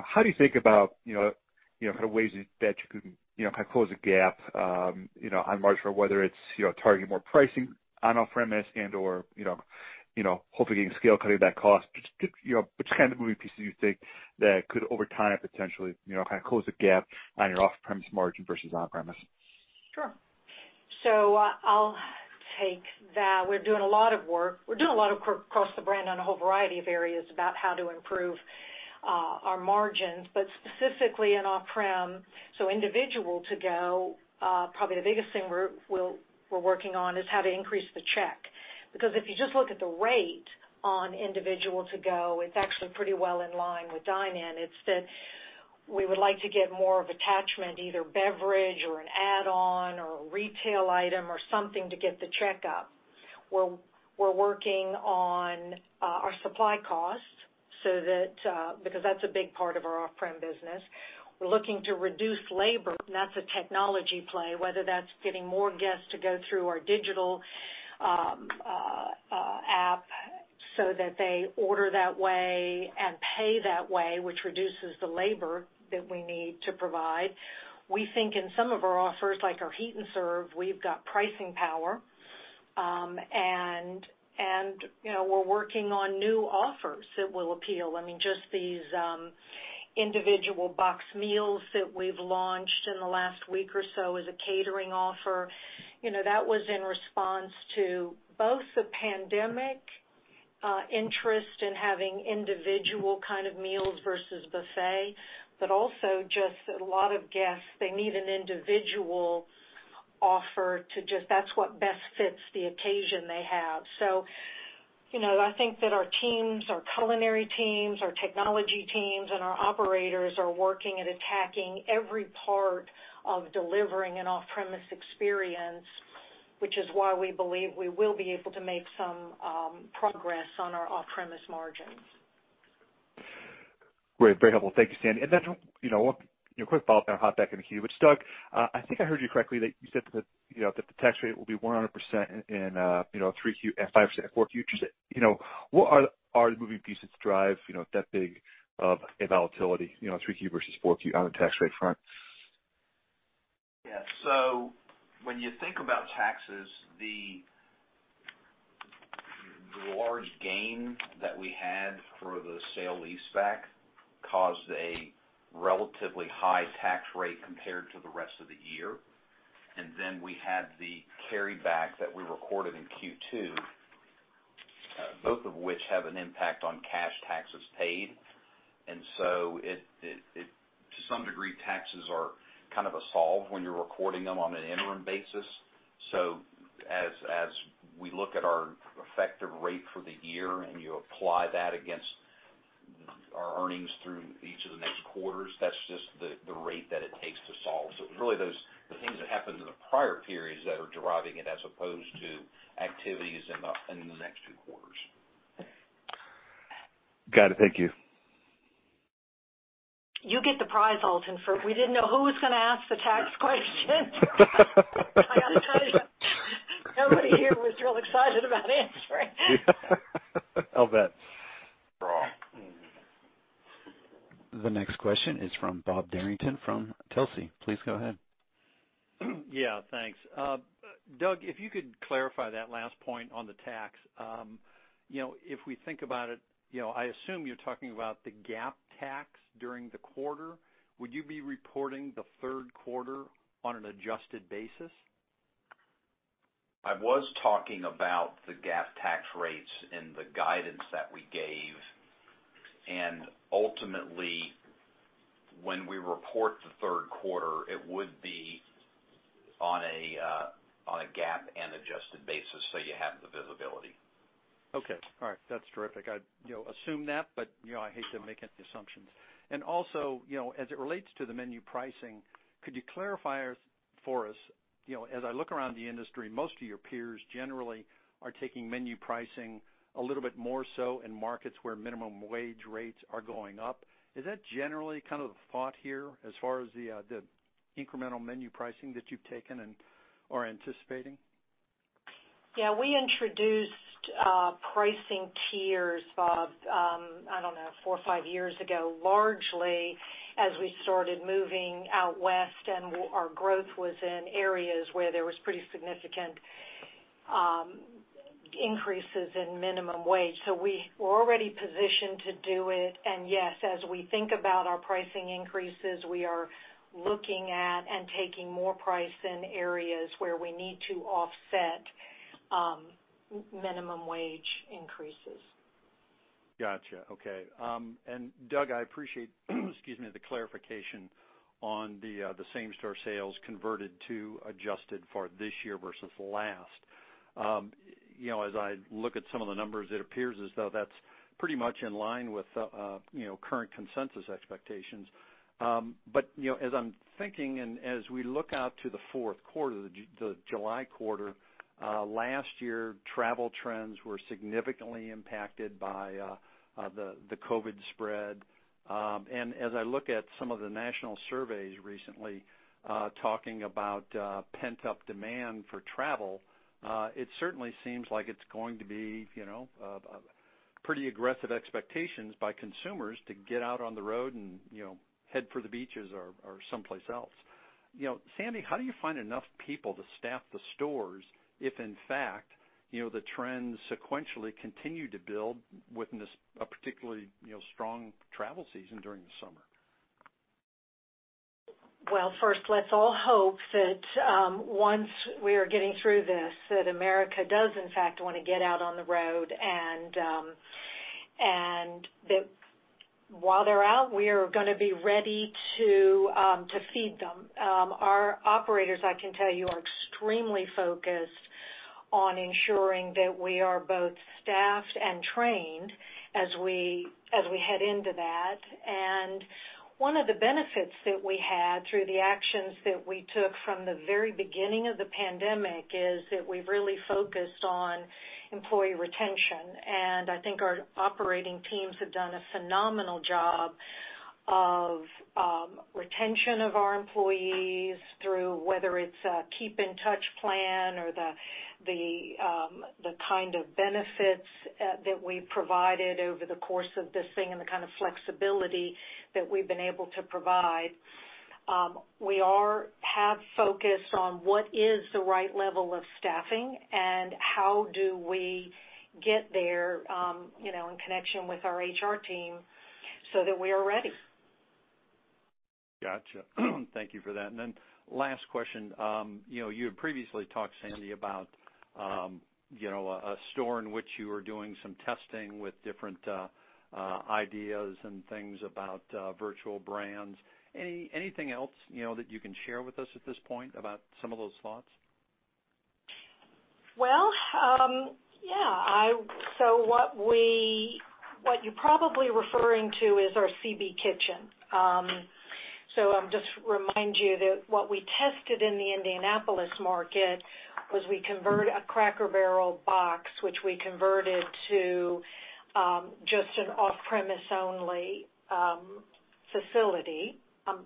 how do you think about ways that you can close the gap on margin, whether it's targeting more pricing on off-premise and/or hopefully getting scale, cutting back cost. Just which kind of moving pieces you think that could over time potentially close the gap on your off-premise margin versus on-premise? Sure. I'll take that. We're doing a lot of work, we're doing a lot of work across the brand on a whole variety of areas about how to improve our margins, but specifically in off-prem, individual to-go, probably the biggest thing we're working on is how to increase the check. If you just look at the rate on individual to-go, it's actually pretty well in line with dine-in. We would like to get more of attachment, either beverage or an add-on or a retail item or something to get the check up. We're working on our supply costs, because that's a big part of our off-prem business. We're looking to reduce labor, and that's a technology play, whether that's getting more guests to go through our digital app so that they order that way and pay that way, which reduces the labor that we need to provide. We think in some of our offers, like our Heat n' Serve, we've got pricing power. We're working on new offers that will appeal. Just these individual boxed meals that we've launched in the last week or so as a catering offer, that was in response to both the pandemic interest in having individual kind of meals versus buffet, but also just a lot of guests, they need an individual offer. That's what best fits the occasion they have. I think that our teams, our culinary teams, our technology teams, and our operators are working at attacking every part of delivering an off-premise experience, which is why we believe we will be able to make some progress on our off-premise margins. Great. Very helpful. Thank you, Sandy. A quick follow up on that, hop back in the queue. Doug, I think I heard you correctly that you said that the tax rate will be 100% in 3Q, FY, 4Q. What are the moving pieces to drive that big of a volatility, 3Q versus 4Q on the tax rate front? Yeah. When you think about taxes, the large gain that we had for the sale-leaseback caused a relatively high tax rate compared to the rest of the year. And then we had the carryback that we recorded in Q2, both of which have an impact on cash taxes paid. To some degree, taxes are kind of a solve when you're recording them on an interim basis. As we look at our effective rate for the year, and you apply that against our earnings through each of the next quarters, that's just the rate that it takes to solve. It's really the things that happened in the prior periods that are driving it as opposed to activities in the next two quarters. Got it. Thank you. You get the prize, Alton. We didn't know who was going to ask the tax question. I got to tell you, nobody here was real excited about answering. I'll bet. Raw. The next question is from Bob Derrington from Telsey. Please go ahead. Yeah. Thanks. Doug, if you could clarify that last point on the tax. If we think about it, I assume you're talking about the GAAP tax during the quarter. Would you be reporting the third quarter on an adjusted basis? I was talking about the GAAP tax rates and the guidance that we gave. Ultimately, when we report the third quarter, it would be on a GAAP and adjusted basis, so you have the visibility. Okay. All right. That's terrific. I assumed that, but I hate to make any assumptions. And also, as it relates to the menu pricing, could you clarify for us, as I look around the industry, most of your peers generally are taking menu pricing a little bit more so in markets where minimum wage rates are going up. Is that generally kind of the thought here as far as the incremental menu pricing that you've taken and are anticipating? Yeah. We introduced pricing tiers, Bob, I don't know, four or five years ago, largely as we started moving out west and our growth was in areas where there was pretty significant increases in minimum wage. We were already positioned to do it. Yes, as we think about our pricing increases, we are looking at and taking more price in areas where we need to offset minimum wage increases. Got you. Okay. And Doug, I appreciate the clarification on the same-store sales converted to adjusted for this year versus last. As I look at some of the numbers, it appears as though that's pretty much in line with current consensus expectations. But, as I'm thinking and as we look out to the fourth quarter, the July quarter, last year, travel trends were significantly impacted by the COVID spread. As I look at some of the national surveys recently, talking about pent-up demand for travel, it certainly seems like it's going to be pretty aggressive expectations by consumers to get out on the road and head for the beaches or someplace else. Sandy, how do you find enough people to staff the stores if, in fact, the trends sequentially continue to build within a particularly strong travel season during the summer? Well, first, let's all hope that once we are getting through this, that America does in fact want to get out on the road, and that while they're out, we are going to be ready to feed them. Our operators, I can tell you, are extremely focused on ensuring that we are both staffed and trained as we head into that. And one of the benefits that we had through the actions that we took from the very beginning of the pandemic is that we've really focused on employee retention. I think our operating teams have done a phenomenal job of retention of our employees through whether it's a keep in touch plan or the kind of benefits that we provided over the course of this thing and the kind of flexibility that we've been able to provide. We have focused on what is the right level of staffing and how do we get there, in connection with our HR team so that we are ready. Got you. Thank you for that. Last question. You had previously talked, Sandy, about a store in which you were doing some testing with different ideas and things about virtual brands. Anything else that you can share with us at this point about some of those thoughts? Well, yeah. What you're probably referring to is our CB Kitchen. I'll just remind you that what we tested in the Indianapolis market was we convert a Cracker Barrel box, which we converted to just an off-premise only facility. I'm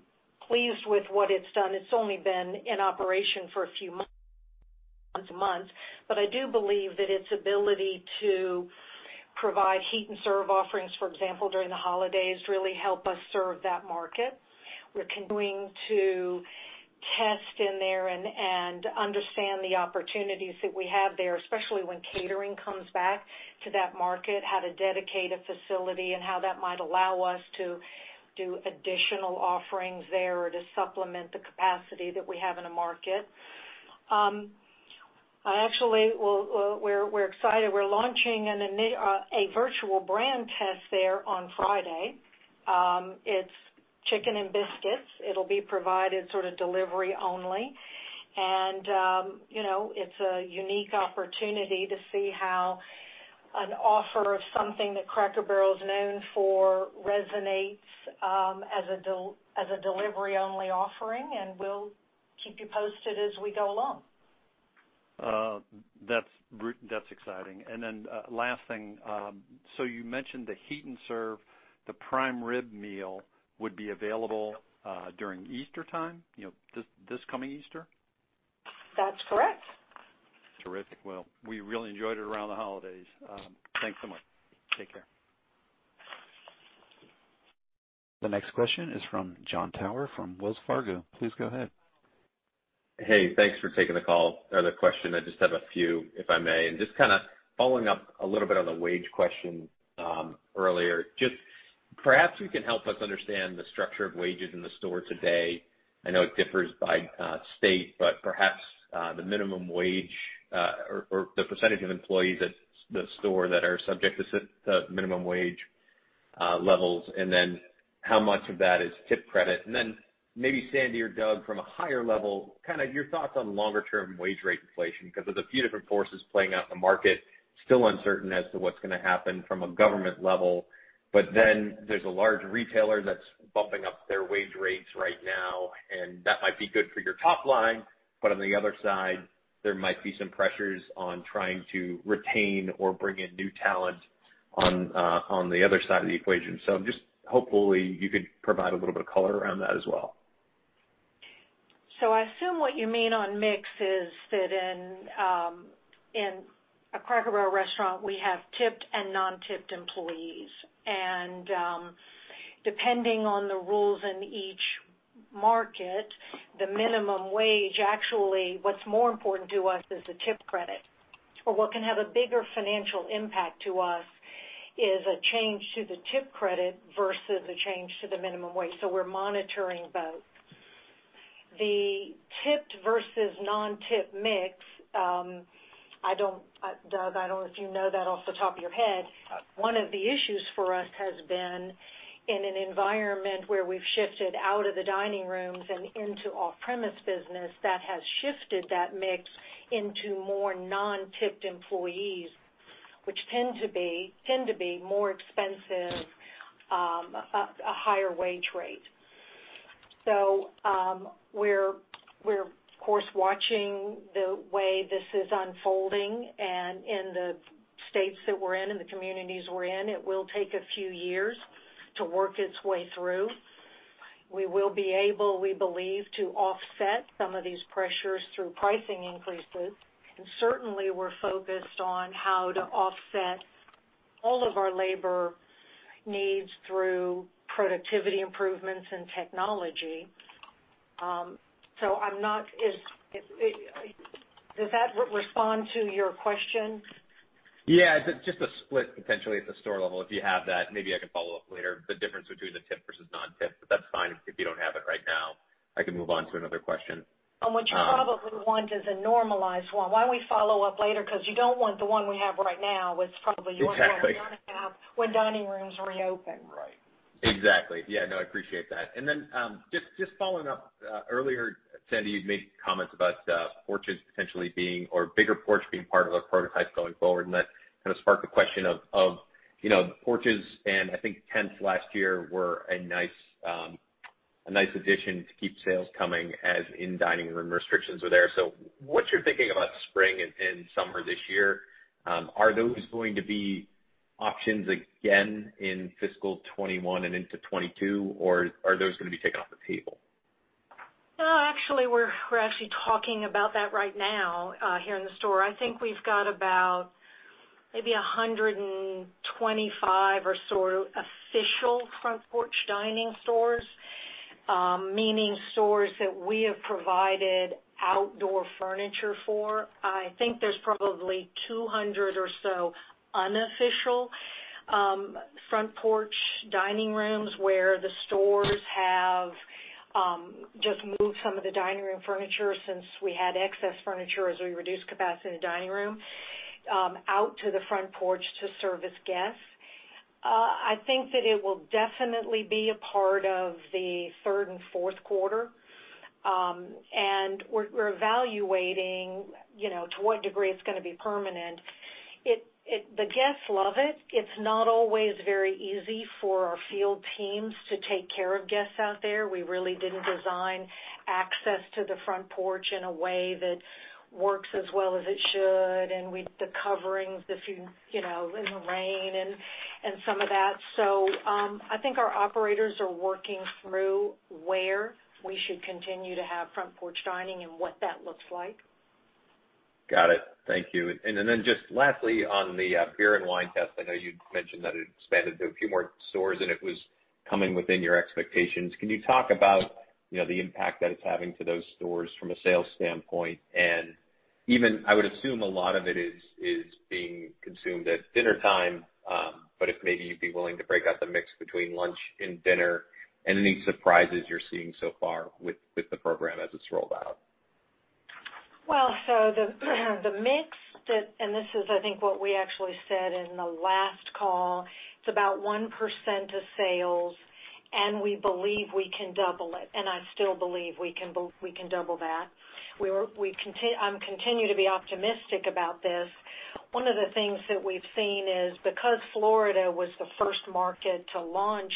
pleased with what it's done. It's only been in operation for a few months. But I do believe that its ability to provide Heat n' Serve offerings, for example, during the holidays, really help us serve that market. We're continuing to test in there and understand the opportunities that we have there, especially when catering comes back to that market, how to dedicate a facility and how that might allow us to do additional offerings there or to supplement the capacity that we have in a market. Actually, we're excited. We're launching a virtual brand test there on Friday. It's Chicken n' Biscuits. It'll be provided sort of delivery only. It's a unique opportunity to see how an offer of something that Cracker Barrel is known for resonates as a delivery-only offering, and we'll keep you posted as we go along. That's exciting. Last thing, you mentioned the Heat n' Serve, the Prime Rib meal would be available during Easter time, this coming Easter? That's correct. Terrific. Well, we really enjoyed it around the holidays. Thanks so much. Take care. The next question is from Jon Tower from Wells Fargo. Please go ahead. Hey, thanks for taking the call or the question. I just have a few, if I may. Just kind of following up a little bit on the wage question earlier. Perhaps you can help us understand the structure of wages in the store today. I know it differs by state, but perhaps the minimum wage or the percentage of employees at the store that are subject to minimum wage levels, and then how much of that is tip credit. Then maybe Sandy or Doug, from a higher level, your thoughts on longer term wage rate inflation, because there's a few different forces playing out in the market, still uncertain as to what's going to happen from a government level. But then, there's a large retailer that's bumping up their wage rates right now, and that might be good for your top line, but on the other side, there might be some pressures on trying to retain or bring in new talent on the other side of the equation. Hopefully you could provide a little bit of color around that as well. I assume what you mean on mix is that in a Cracker Barrel restaurant, we have tipped and non-tipped employees. Depending on the rules in each market, the minimum wage, actually, what's more important to us is the tip credit. What can have a bigger financial impact to us is a change to the tip credit versus a change to the minimum wage. We're monitoring both. The tipped versus non-tip mix, I don't, Doug, I don't know if you know that off the top of your head. No. One of the issues for us has been in an environment where we've shifted out of the dining rooms and into off-premise business, that has shifted that mix into more non-tipped employees, which tend to be more expensive, a higher wage rate. We're of course watching the way this is unfolding and in the states that we're in and the communities we're in, it will take a few years to work its way through. We will be able, we believe, to offset some of these pressures through pricing increases. Certainly, we're focused on how to offset all of our labor needs through productivity improvements and technology. So I'm not- does that respond to your question? Yeah. Just a split potentially at the store level, if you have that, maybe I can follow up later, the difference between the tip versus non-tip, that's fine if you don't have it right now. I can move on to another question. What you probably want is a normalized one. Why don't we follow up later? You don't want the one we have right now. Exactly. It's probably you're going to want to have when dining rooms reopen. Right. Exactly. Yeah, no, I appreciate that. And just following up, earlier, Sandy, you'd made comments about bigger porch being part of the prototype going forward, and that kind of sparked the question of porches and I think tents last year were a nice addition to keep sales coming as in-dining room restrictions were there. What's your thinking about spring and summer this year? Are those going to be options again in fiscal 2021 and into 2022, or are those going to be taken off the table? No. We're actually talking about that right now here in the store. I think we've got about maybe 125 or so official front porch dining stores, meaning stores that we have provided outdoor furniture for. I think there's probably 200 or so unofficial front porch dining rooms where the stores have just moved some of the dining room furniture since we had excess furniture as we reduced capacity in the dining room out to the front porch to service guests. I think that they will definitely be a part of the third and fourth quarter. And we're evaluating to what degree it's going to be permanent. If the guests love it. It's not always very easy for our field teams to take care of guests out there. We really didn't design access to the front porch in a way that works as well as it should, and the coverings in the rain and some of that. I think our operators are working through where we should continue to have front porch dining and what that looks like. Got it. Thank you. Then just lastly, on the beer and wine test, I know you'd mentioned that it expanded to a few more stores and it was coming within your expectations. Can you talk about the impact that it's having to those stores from a sales standpoint? Even, I would assume a lot of it is being consumed at dinner time. But if maybe you'd be willing to break out the mix between lunch and dinner and any surprises you're seeing so far with the program as it's rolled out. Well, so, the mix that, and this is I think what we actually said in the last call, it's about 1% of sales, and we believe we can double it, and I still believe we can double that. We are, we conti- I continue to be optimistic about this. One of the things that we've seen is because Florida was the first market to launch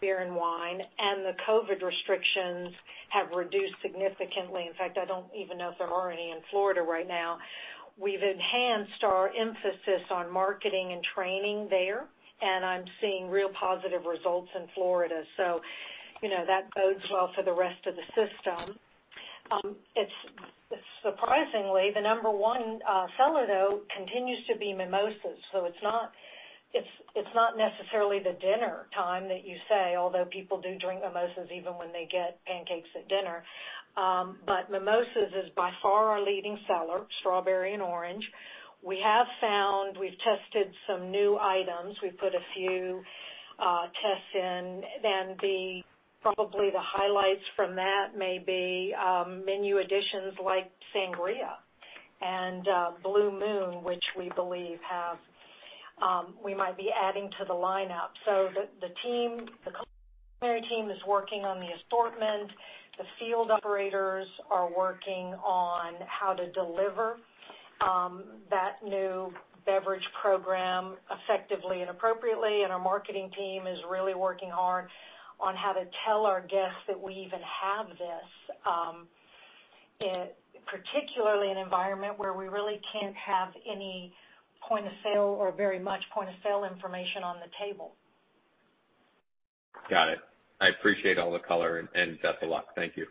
beer and wine, and the COVID restrictions have reduced significantly. In fact, I don't even know if there are any in Florida right now. We've enhanced our emphasis on marketing and training there, and I'm seeing real positive results in Florida. That bodes well for the rest of the system. Surprisingly, the number one seller, though, continues to be mimosas. It's not necessarily the dinner time that you say, although people do drink mimosas even when they get pancakes at dinner. But mimosas is by far our leading seller, strawberry and orange. We have found, we've tested some new items. We put a few tests in, and probably the highlights from that may be menu additions like sangria and Blue Moon, which we believe have, we might be adding to the lineup. The team, the culinary team is working on the assortment. The field operators are working on how to deliver that new beverage program effectively and appropriately, our marketing team is really working hard on how to tell our guests that we even have this, particularly in an environment where we really can't have any point-of-sale or very much point-of-sale information on the table. Got it. I appreciate all the color and best of luck. Thank you.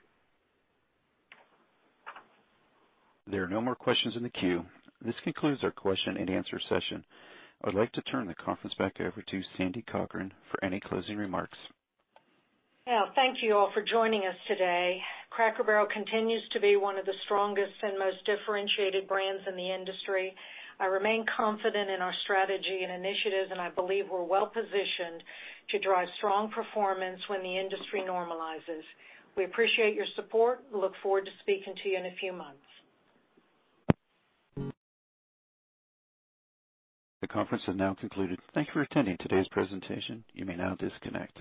There are no more questions in the queue. This concludes our question-and-answer session. I would like to turn the conference back over to Sandy Cochran for any closing remarks. Thank you all for joining us today. Cracker Barrel continues to be one of the strongest and most differentiated brands in the industry. I remain confident in our strategy and initiatives, and I believe we're well-positioned to drive strong performance when the industry normalizes. We appreciate your support. We look forward to speaking to you in a few months. The conference has now concluded. Thank you for attending today's presentation. You may now disconnect.